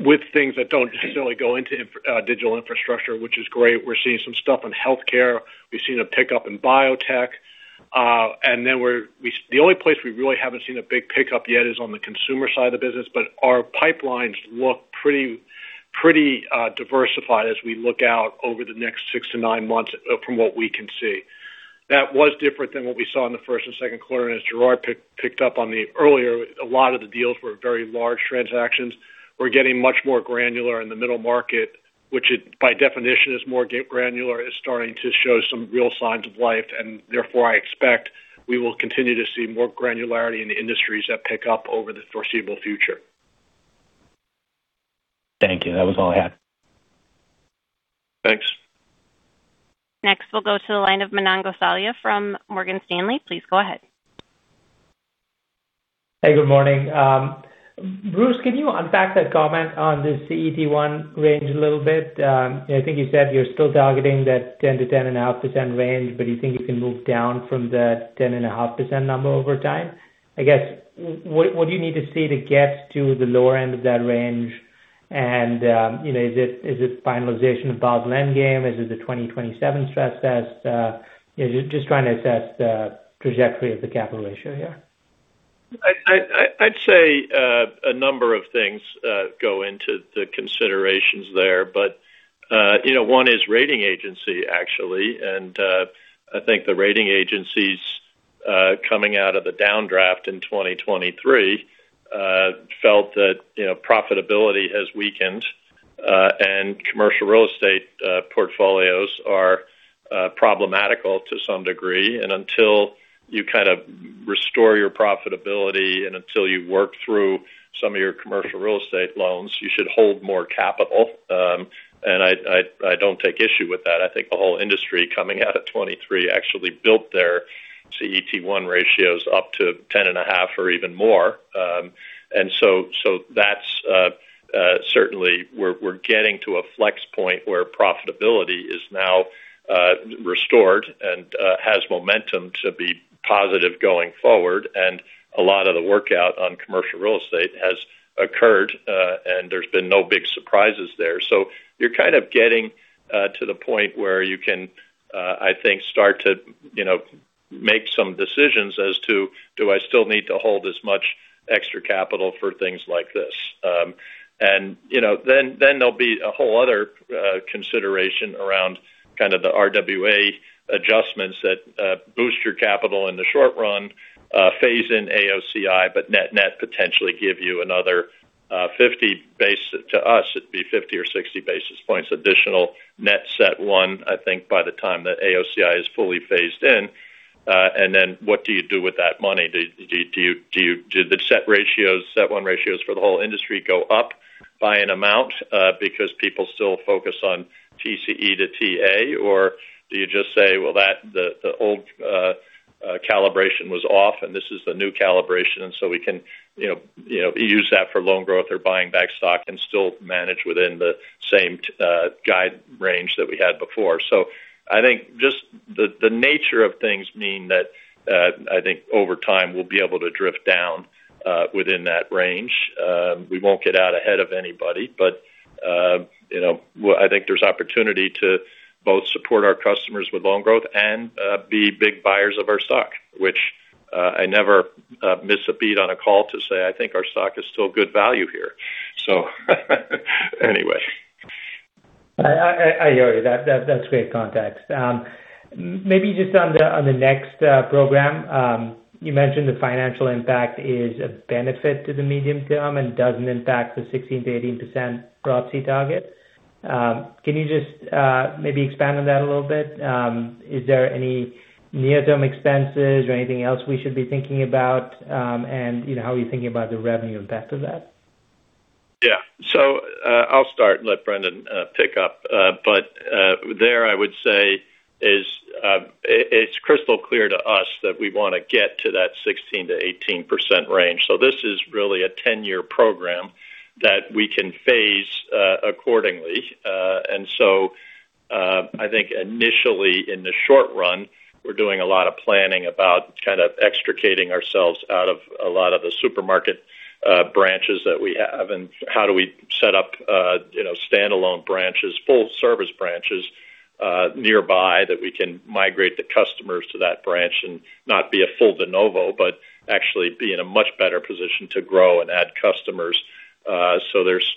with things that don't necessarily go into digital infrastructure, which is great. We're seeing some stuff in healthcare. We've seen a pickup in biotech. The only place we really haven't seen a big pickup yet is on the consumer side of the business. Our pipelines look pretty diversified as we look out over the next six to nine months from what we can see. That was different than what we saw in the first and second quarter, as Gerard picked up on earlier, a lot of the deals were very large transactions. We're getting much more granular in the middle market, which by definition is more granular, is starting to show some real signs of life. Therefore, I expect we will continue to see more granularity in the industries that pick up over the foreseeable future. Thank you. That was all I had. Thanks. Next, we'll go to the line of Manan Gosalia from Morgan Stanley. Please go ahead. Hey, good morning. Bruce, can you unpack that comment on the CET1 range a little bit? I think you said you're still targeting that 10%-10.5% range, but you think you can move down from that 10.5% number over time. I guess, what do you need to see to get to the lower end of that range? Is it finalization of Basel Endgame? Is it the 2027 stress test? Just trying to assess the trajectory of the capital ratio here. I'd say a number of things go into the considerations there. One is rating agency, actually. I think the rating agencies coming out of the downdraft in 2023 felt that profitability has weakened and commercial real estate portfolios are problematical to some degree. Until you kind of restore your profitability and until you work through some of your commercial real estate loans, you should hold more capital. I don't take issue with that. I think the whole industry coming out of 2023 actually built their CET1 ratios up to 10.5 or even more. Certainly, we're getting to a flex point where profitability is now restored and has momentum to be positive going forward. A lot of the workout on commercial real estate has occurred, and there's been no big surprises there. You're kind of getting to the point where you can, I think, start to make some decisions as to do I still need to hold as much extra capital for things like this? Then there'll be a whole other consideration around kind of the RWA adjustments that boost your capital in the short run phase in AOCI. To us, it'd be 50 or 60 basis points additional net CET1, I think, by the time that AOCI is fully phased in. Then what do you do with that money? Do the CET1 ratios for the whole industry go up? By an amount because people still focus on TCE to TA, or do you just say, well, the old calibration was off and this is the new calibration, and so we can use that for loan growth or buying back stock and still manage within the same guide range that we had before. I think just the nature of things mean that I think over time we'll be able to drift down within that range. We won't get out ahead of anybody, but I think there's opportunity to both support our customers with loan growth and be big buyers of our stock, which I never miss a beat on a call to say I think our stock is still good value here. Anyway. I hear you. That's great context. Maybe just on the NEXT program. You mentioned the financial impact is a benefit to the medium term and doesn't impact the 16%-18% proxy target. Can you just maybe expand on that a little bit? Is there any near-term expenses or anything else we should be thinking about? How are you thinking about the revenue impact of that? Yeah. I'll start and let Brendan pick up. There, I would say, it's crystal clear to us that we want to get to that 16%-18% range. This is really a 10-year program that we can phase accordingly. I think initially in the short run, we're doing a lot of planning about extricating ourselves out of a lot of the supermarket branches that we have and how do we set up standalone branches, full service branches nearby that we can migrate the customers to that branch and not be a full de novo, but actually be in a much better position to grow and add customers. There's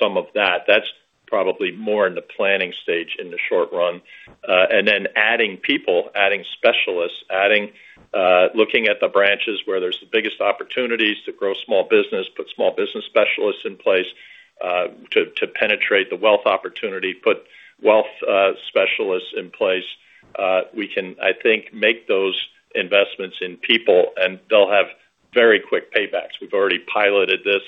some of that. That's probably more in the planning stage in the short run. Adding people, adding specialists. Looking at the branches where there's the biggest opportunities to grow small business, put small business specialists in place to penetrate the wealth opportunity, put wealth specialists in place. We can, I think, make those investments in people and they'll have very quick paybacks. We've already piloted this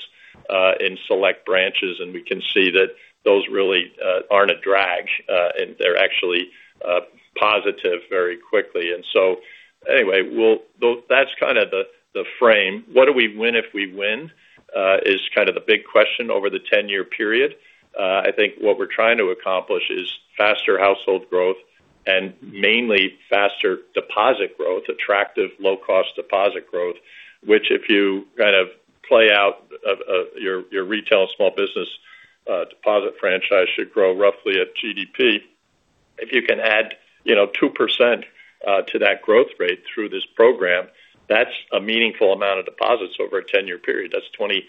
in select branches, and we can see that those really aren't a drag, and they're actually positive very quickly. Anyway, that's kind of the frame. What do we win if we win is kind of the big question over the 10-year period. I think what we're trying to accomplish is faster household growth and mainly faster deposit growth, attractive low-cost deposit growth, which if you kind of play out your retail and small business deposit franchise should grow roughly at GDP. If you can add 2% to that growth rate through this program, that's a meaningful amount of deposits over a 10-year period. That's $20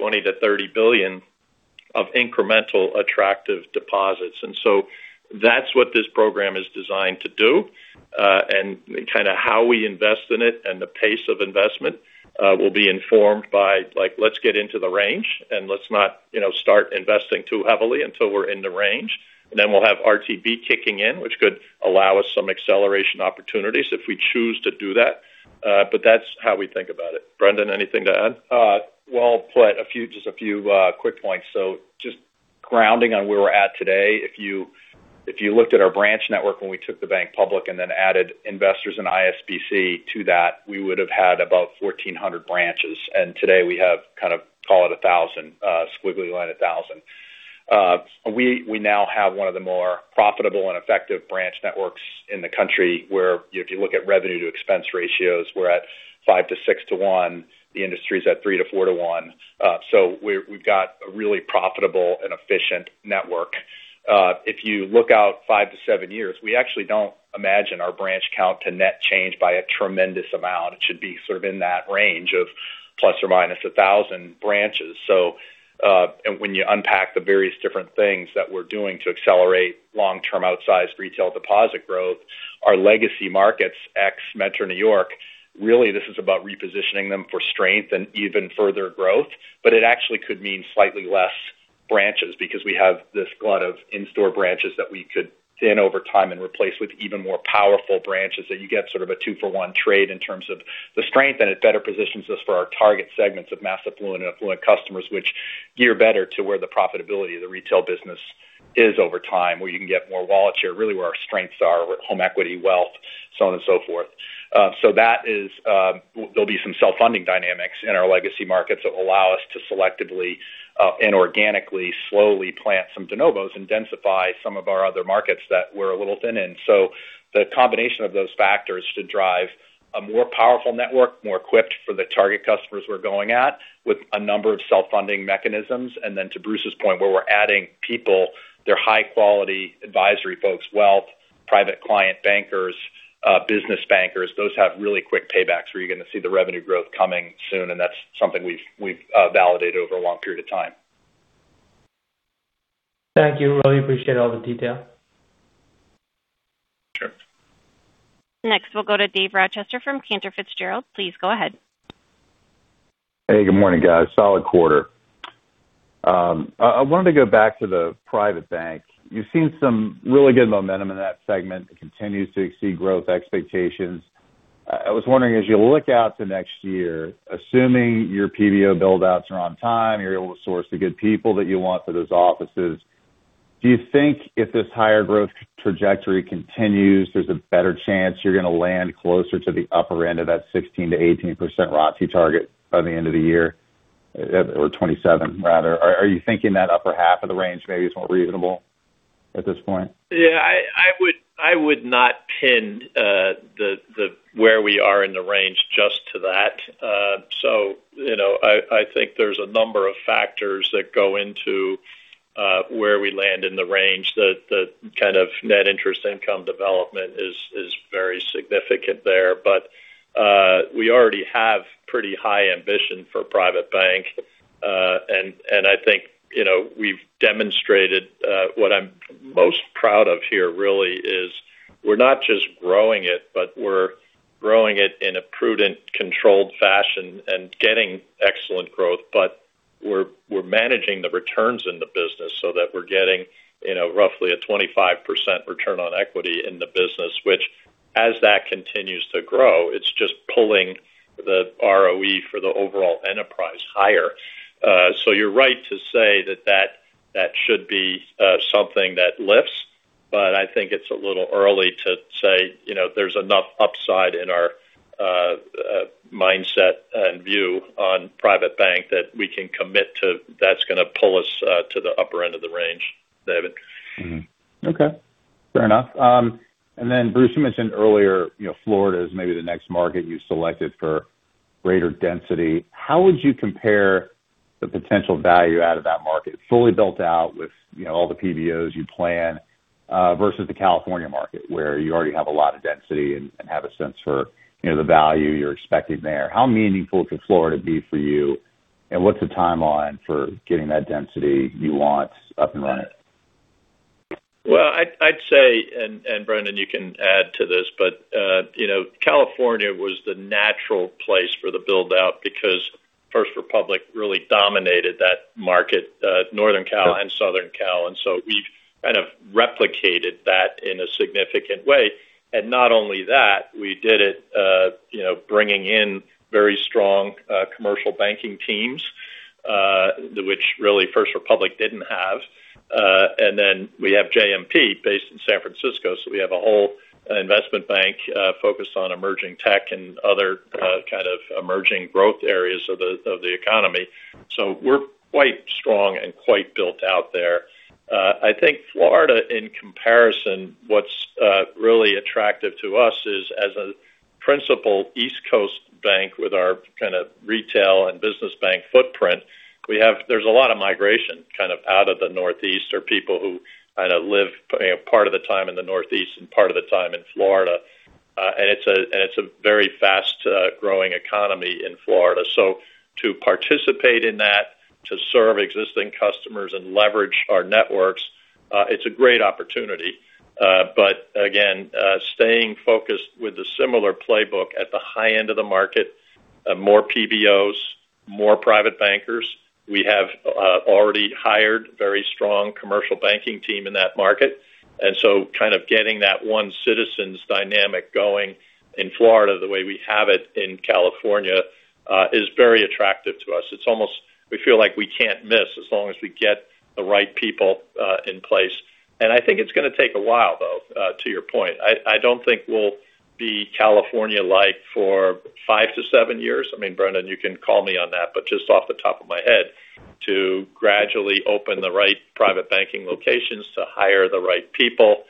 billion-$30 billion of incremental attractive deposits. That's what this program is designed to do. How we invest in it and the pace of investment will be informed by, let's get into the range and let's not start investing too heavily until we're in the range. We'll have RTB kicking in, which could allow us some acceleration opportunities if we choose to do that. That's how we think about it. Brendan, anything to add? Well, just a few quick points. Just grounding on where we're at today. If you looked at our branch network when we took the bank public and then added investors in ISBC to that, we would have had about 1,400 branches. Today we have kind of call it 1,000, squiggly line 1,000. We now have one of the more profitable and effective branch networks in the country where if you look at revenue to expense ratios, we're at 5 to 6 to 1. The industry is at 3 to 4 to 1. We've got a really profitable and efficient network. If you look out five to seven years, we actually don't imagine our branch count to net change by a tremendous amount. It should be sort of in that range of plus or minus 1,000 branches. When you unpack the various different things that we're doing to accelerate long-term outsized retail deposit growth, our legacy markets, ex Metro N.Y., really this is about repositioning them for strength and even further growth. It actually could mean slightly less branches because we have this glut of in-store branches that we could thin over time and replace with even more powerful branches that you get sort of a 2-for-1 trade in terms of the strength, and it better positions us for our target segments of mass affluent and affluent customers, which gear better to where the profitability of the retail business is over time, where you can get more wallet share, really where our strengths are, home equity, wealth, so on and so forth. There'll be some self-funding dynamics in our legacy markets that allow us to selectively and organically slowly plant some de novos and densify some of our other markets that we're a little thin in. The combination of those factors should drive a more powerful network, more equipped for the target customers we're going at with a number of self-funding mechanisms. Then to Bruce's point, where we're adding people, they're high-quality advisory folks, wealth, private client bankers, business bankers. Those have really quick paybacks where you're going to see the revenue growth coming soon, and that's something we've validated over a long period of time. Thank you. Really appreciate all the detail. Sure. Next, we'll go to Dave Rochester from Cantor Fitzgerald. Please go ahead. Hey, good morning, guys. Solid quarter. I wanted to go back to the Private Bank. You've seen some really good momentum in that segment. It continues to exceed growth expectations. I was wondering, as you look out to next year, assuming your PBO build-outs are on time, you're able to source the good people that you want for those offices. Do you think if this higher growth trajectory continues, there's a better chance you're going to land closer to the upper end of that 16%-18% ROTCE target by the end of the year? Or 2027, rather. Are you thinking that upper half of the range maybe is more reasonable at this point? Yeah. I would not pin where we are in the range just to that. I think there's a number of factors that go into where we land in the range. The kind of net interest income development is very significant there. We already have pretty high ambition for Private Bank. I think we've demonstrated what I'm most proud of here really is we're not just growing it, but we're growing it in a prudent, controlled fashion and getting excellent growth. We're managing the returns in the business so that we're getting roughly a 25% return on equity in the business, which as that continues to grow, it's just pulling the ROE for the overall enterprise higher. You're right to say that should be something that lifts, but I think it's a little early to say there's enough upside in our mindset and view on Private Bank that we can commit to that's going to pull us to the upper end of the range, Dave. Okay. Fair enough. Bruce, you mentioned earlier Florida is maybe the next market you selected for greater density. How would you compare the potential value out of that market fully built out with all the PBOs you plan, versus the California market where you already have a lot of density and have a sense for the value you're expecting there? How meaningful could Florida be for you, and what's the timeline for getting that density you want up and running? I'd say, Brendan, you can add to this, California was the natural place for the build-out because First Republic really dominated that market, Northern Cal and Southern Cal. We've kind of replicated that in a significant way. Not only that, we did it bringing in very strong commercial banking teams, which really First Republic didn't have. We have JMP based in San Francisco, so we have a whole investment bank focused on emerging tech and other kind of emerging growth areas of the economy. We're quite strong and quite built out there. I think Florida in comparison, what's really attractive to us is as a principal East Coast bank with our kind of retail and business bank footprint, there's a lot of migration kind of out of the Northeast or people who kind of live part of the time in the Northeast and part of the time in Florida. It's a very fast-growing economy in Florida. To participate in that, to serve existing customers and leverage our networks, it's a great opportunity. Again, staying focused with a similar playbook at the high end of the market, more PBOs, more private bankers. We have already hired a very strong commercial banking team in that market. Kind of getting that OneCitizens dynamic going in Florida the way we have it in California is very attractive to us. We feel like we can't miss as long as we get the right people in place. I think it's going to take a while though, to your point. I don't think we'll be California-like for five to seven years. Brendan, you can call me on that, just off the top of my head, to gradually open the right private banking locations, to hire the right people,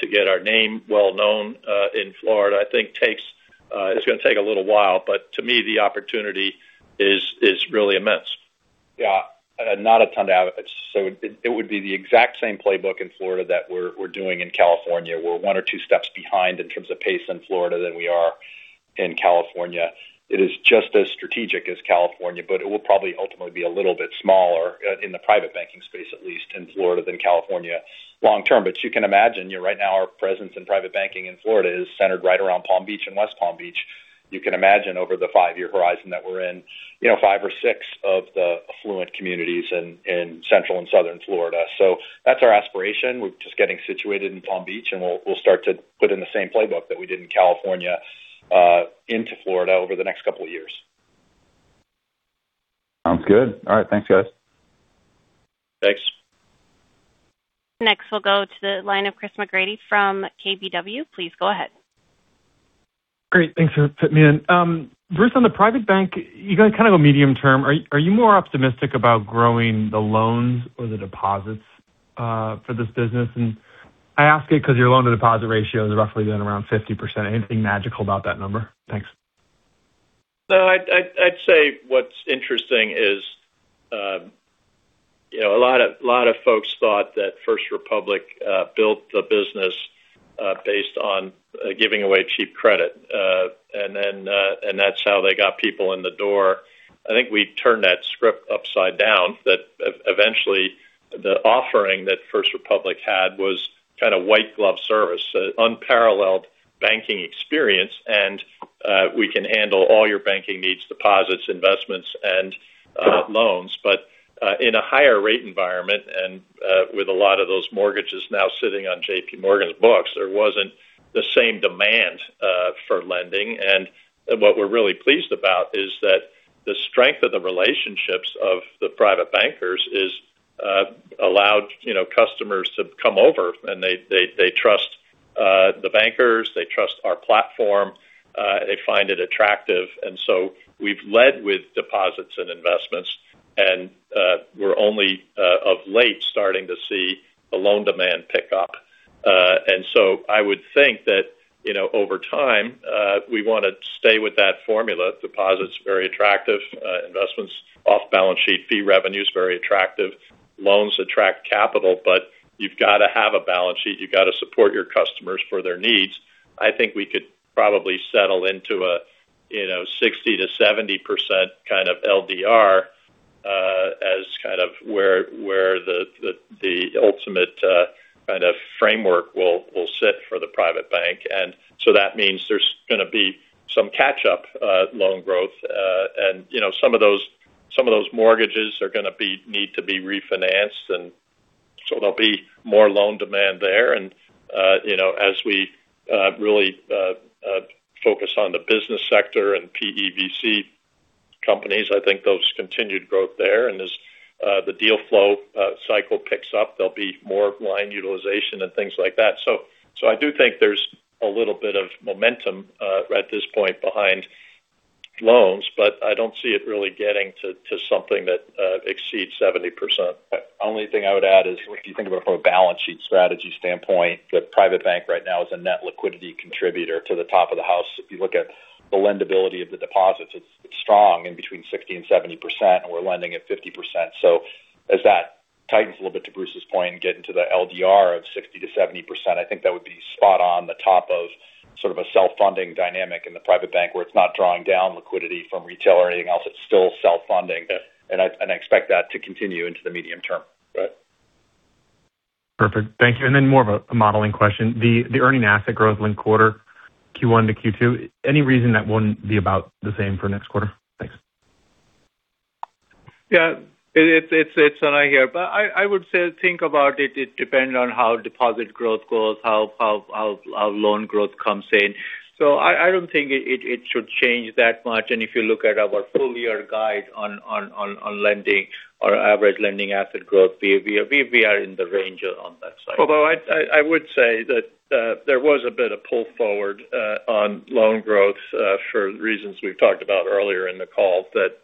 to get our name well known in Florida, I think it's going to take a little while. To me, the opportunity is really immense. Yeah. Not a ton to add. It would be the exact same playbook in Florida that we're doing in California. We're one or two steps behind in terms of pace in Florida than we are in California. It is just as strategic as California, it will probably ultimately be a little bit smaller in the private banking space, at least in Florida than California long term. You can imagine, right now our presence in private banking in Florida is centered right around Palm Beach and West Palm Beach. You can imagine over the five-year horizon that we're in five or six of the affluent communities in Central and Southern Florida. That's our aspiration. We're just getting situated in Palm Beach, we'll start to put in the same playbook that we did in California into Florida over the next couple of years. Sounds good. All right. Thanks, guys. Thanks. Next, we'll go to the line of Chris McGratty from KBW. Please go ahead. Great. Thanks for fitting me in. Bruce, on the private bank, you got kind of a medium term. Are you more optimistic about growing the loans or the deposits for this business? I ask it because your loan-to-deposit ratio has roughly been around 50%. Anything magical about that number? Thanks. No. I'd say what's interesting is a lot of folks thought that First Republic built the business based on giving away cheap credit. That's how they got people in the door. I think we turned that script upside down that eventually the offering that First Republic had was kind of white glove service, unparalleled banking experience, and we can handle all your banking needs, deposits, investments, and Not loans, but in a higher rate environment and with a lot of those mortgages now sitting on JP Morgan's books, there wasn't the same demand for lending. What we're really pleased about is that the strength of the relationships of the private bankers has allowed customers to come over and they trust the bankers, they trust our platform, they find it attractive. We've led with deposits and investments and we're only of late starting to see the loan demand pick up. I would think that over time, we want to stay with that formula. Deposit's very attractive. Investment's off balance sheet. Fee revenue's very attractive. Loans attract capital, but you've got to have a balance sheet, you've got to support your customers for their needs. I think we could probably settle into a 60%-70% kind of LDR as kind of where the ultimate kind of framework will sit for the private bank. That means there's going to be some catch up loan growth. Some of those mortgages are going to need to be refinanced. There'll be more loan demand there. As we really focus on the business sector and PEVC companies, I think there'll continued growth there. As the deal flow cycle picks up, there'll be more line utilization and things like that. I do think there's a little bit of momentum at this point behind loans, but I don't see it really getting to something that exceeds 70%. The only thing I would add is if you think about it from a balance sheet strategy standpoint, the private bank right now is a net liquidity contributor to the top of the house. If you look at the lendability of the deposits, it's strong in between 60%-70%, and we're lending at 50%. As that tightens a little bit to Bruce's point and get into the LDR of 60%-70%, I think that would be spot on the top of sort of a self-funding dynamic in the private bank where it's not drawing down liquidity from retail or anything else. It's still self-funding. I expect that to continue into the medium term. Right. Perfect. Thank you. Then more of a modeling question. The earning asset growth linked quarter Q1 to Q2. Any reason that wouldn't be about the same for next quarter? Thanks. Yeah. It's Aunoy here. I would say think about it. It depends on how deposit growth goes, how loan growth comes in. I don't think it should change that much. If you look at our full-year guide on lending or average lending asset growth, we are in the range on that side. Although I would say that there was a bit of pull forward on loan growth for reasons we've talked about earlier in the call that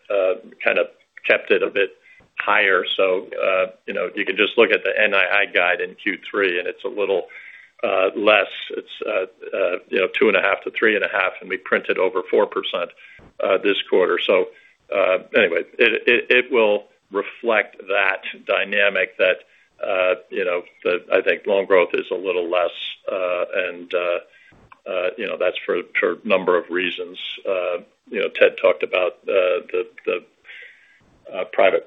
kind of kept it a bit higher. You could just look at the NII guide in Q3, and it's a little less. It's 2.5% to 3.5%, and we printed over 4% this quarter. Anyway, it will reflect that dynamic that I think loan growth is a little less. That's for a number of reasons. Ted talked about the private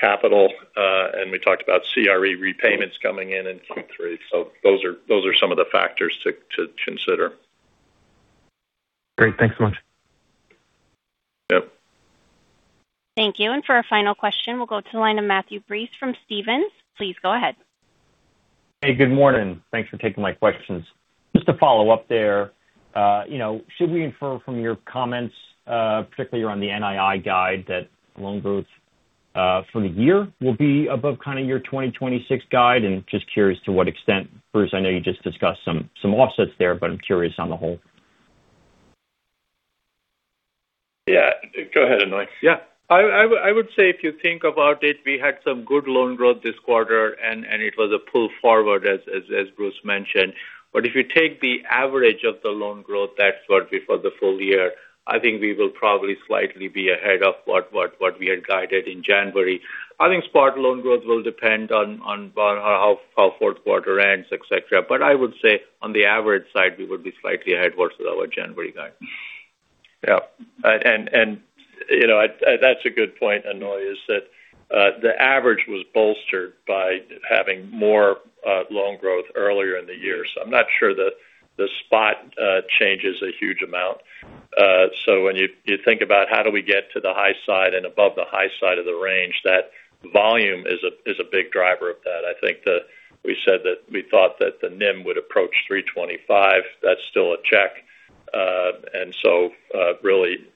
capital, and we talked about CRE repayments coming in in Q3. Those are some of the factors to consider. Great. Thanks so much. Yep. Thank you. For our final question, we'll go to the line of Matthew Breese from Stephens. Please go ahead. Good morning. Thanks for taking my questions. Just to follow up there. Should we infer from your comments particularly around the NII guide that loan growth for the year will be above kind of your 2026 guide? Just curious to what extent. Bruce, I know you just discussed some offsets there, I'm curious on the whole. Yeah. Go ahead, Aunoy. Yeah. I would say if you think about it, we had some good loan growth this quarter, it was a pull forward, as Bruce mentioned. If you take the average of the loan growth, that's what we for the full year, I think we will probably slightly be ahead of what we had guided in January. I think spot loan growth will depend on how fourth quarter ends, et cetera. I would say on the average side, we would be slightly ahead versus our January guide. Yeah. That's a good point, Aunoy, is that the average was bolstered by having more loan growth earlier in the year. I'm not sure that the spot changes a huge amount. When you think about how do we get to the high side and above the high side of the range, that volume is a big driver of that. I think that we said that we thought that the NIM would approach 325. That's still a check. Really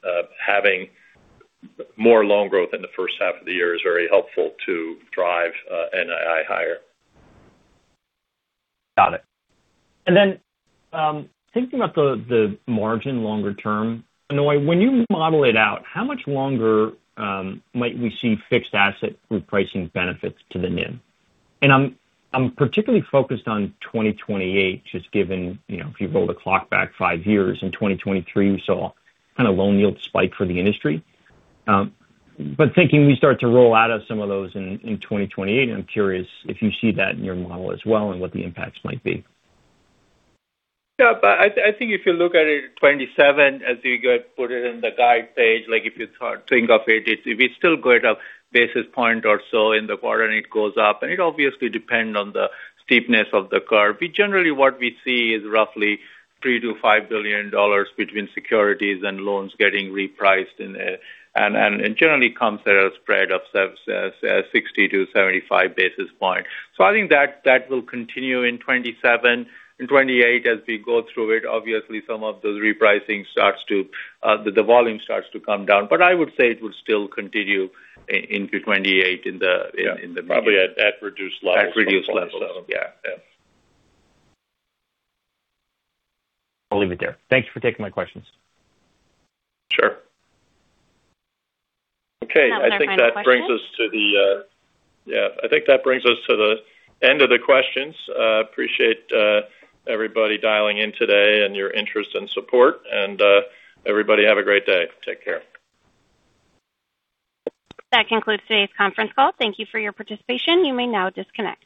having more loan growth in the first half of the year is very helpful to drive NII higher. Got it. Thinking about the margin longer term, Aunoy, when you model it out, how much longer might we see fixed asset repricing benefits to the NIM? I'm particularly focused on 2028, just given if you roll the clock back five years, in 2023, we saw kind of loan yield spike for the industry. Thinking we start to roll out of some of those in 2028, I'm curious if you see that in your model as well and what the impacts might be. Yeah. I think if you look at it in 2027, as we put it in the guide page, if you think of it, we still got a basis point or so in the quarter. It goes up. It obviously depends on the steepness of the curve. Generally, what we see is roughly $3 billion to $5 billion between securities and loans getting repriced. It generally comes at a spread of 60 to 75 basis points. I think that will continue in 2027. In 2028, as we go through it, obviously some of the repricing, the volume starts to come down. I would say it will still continue into 2028. Yeah. Probably at reduced levels. At reduced levels. Yeah. Yeah. I'll leave it there. Thanks for taking my questions. Sure. Okay. That was our final question. I think that brings us to the end of the questions. Appreciate everybody dialing in today and your interest and support. Everybody have a great day. Take care. That concludes today's conference call. Thank you for your participation. You may now disconnect.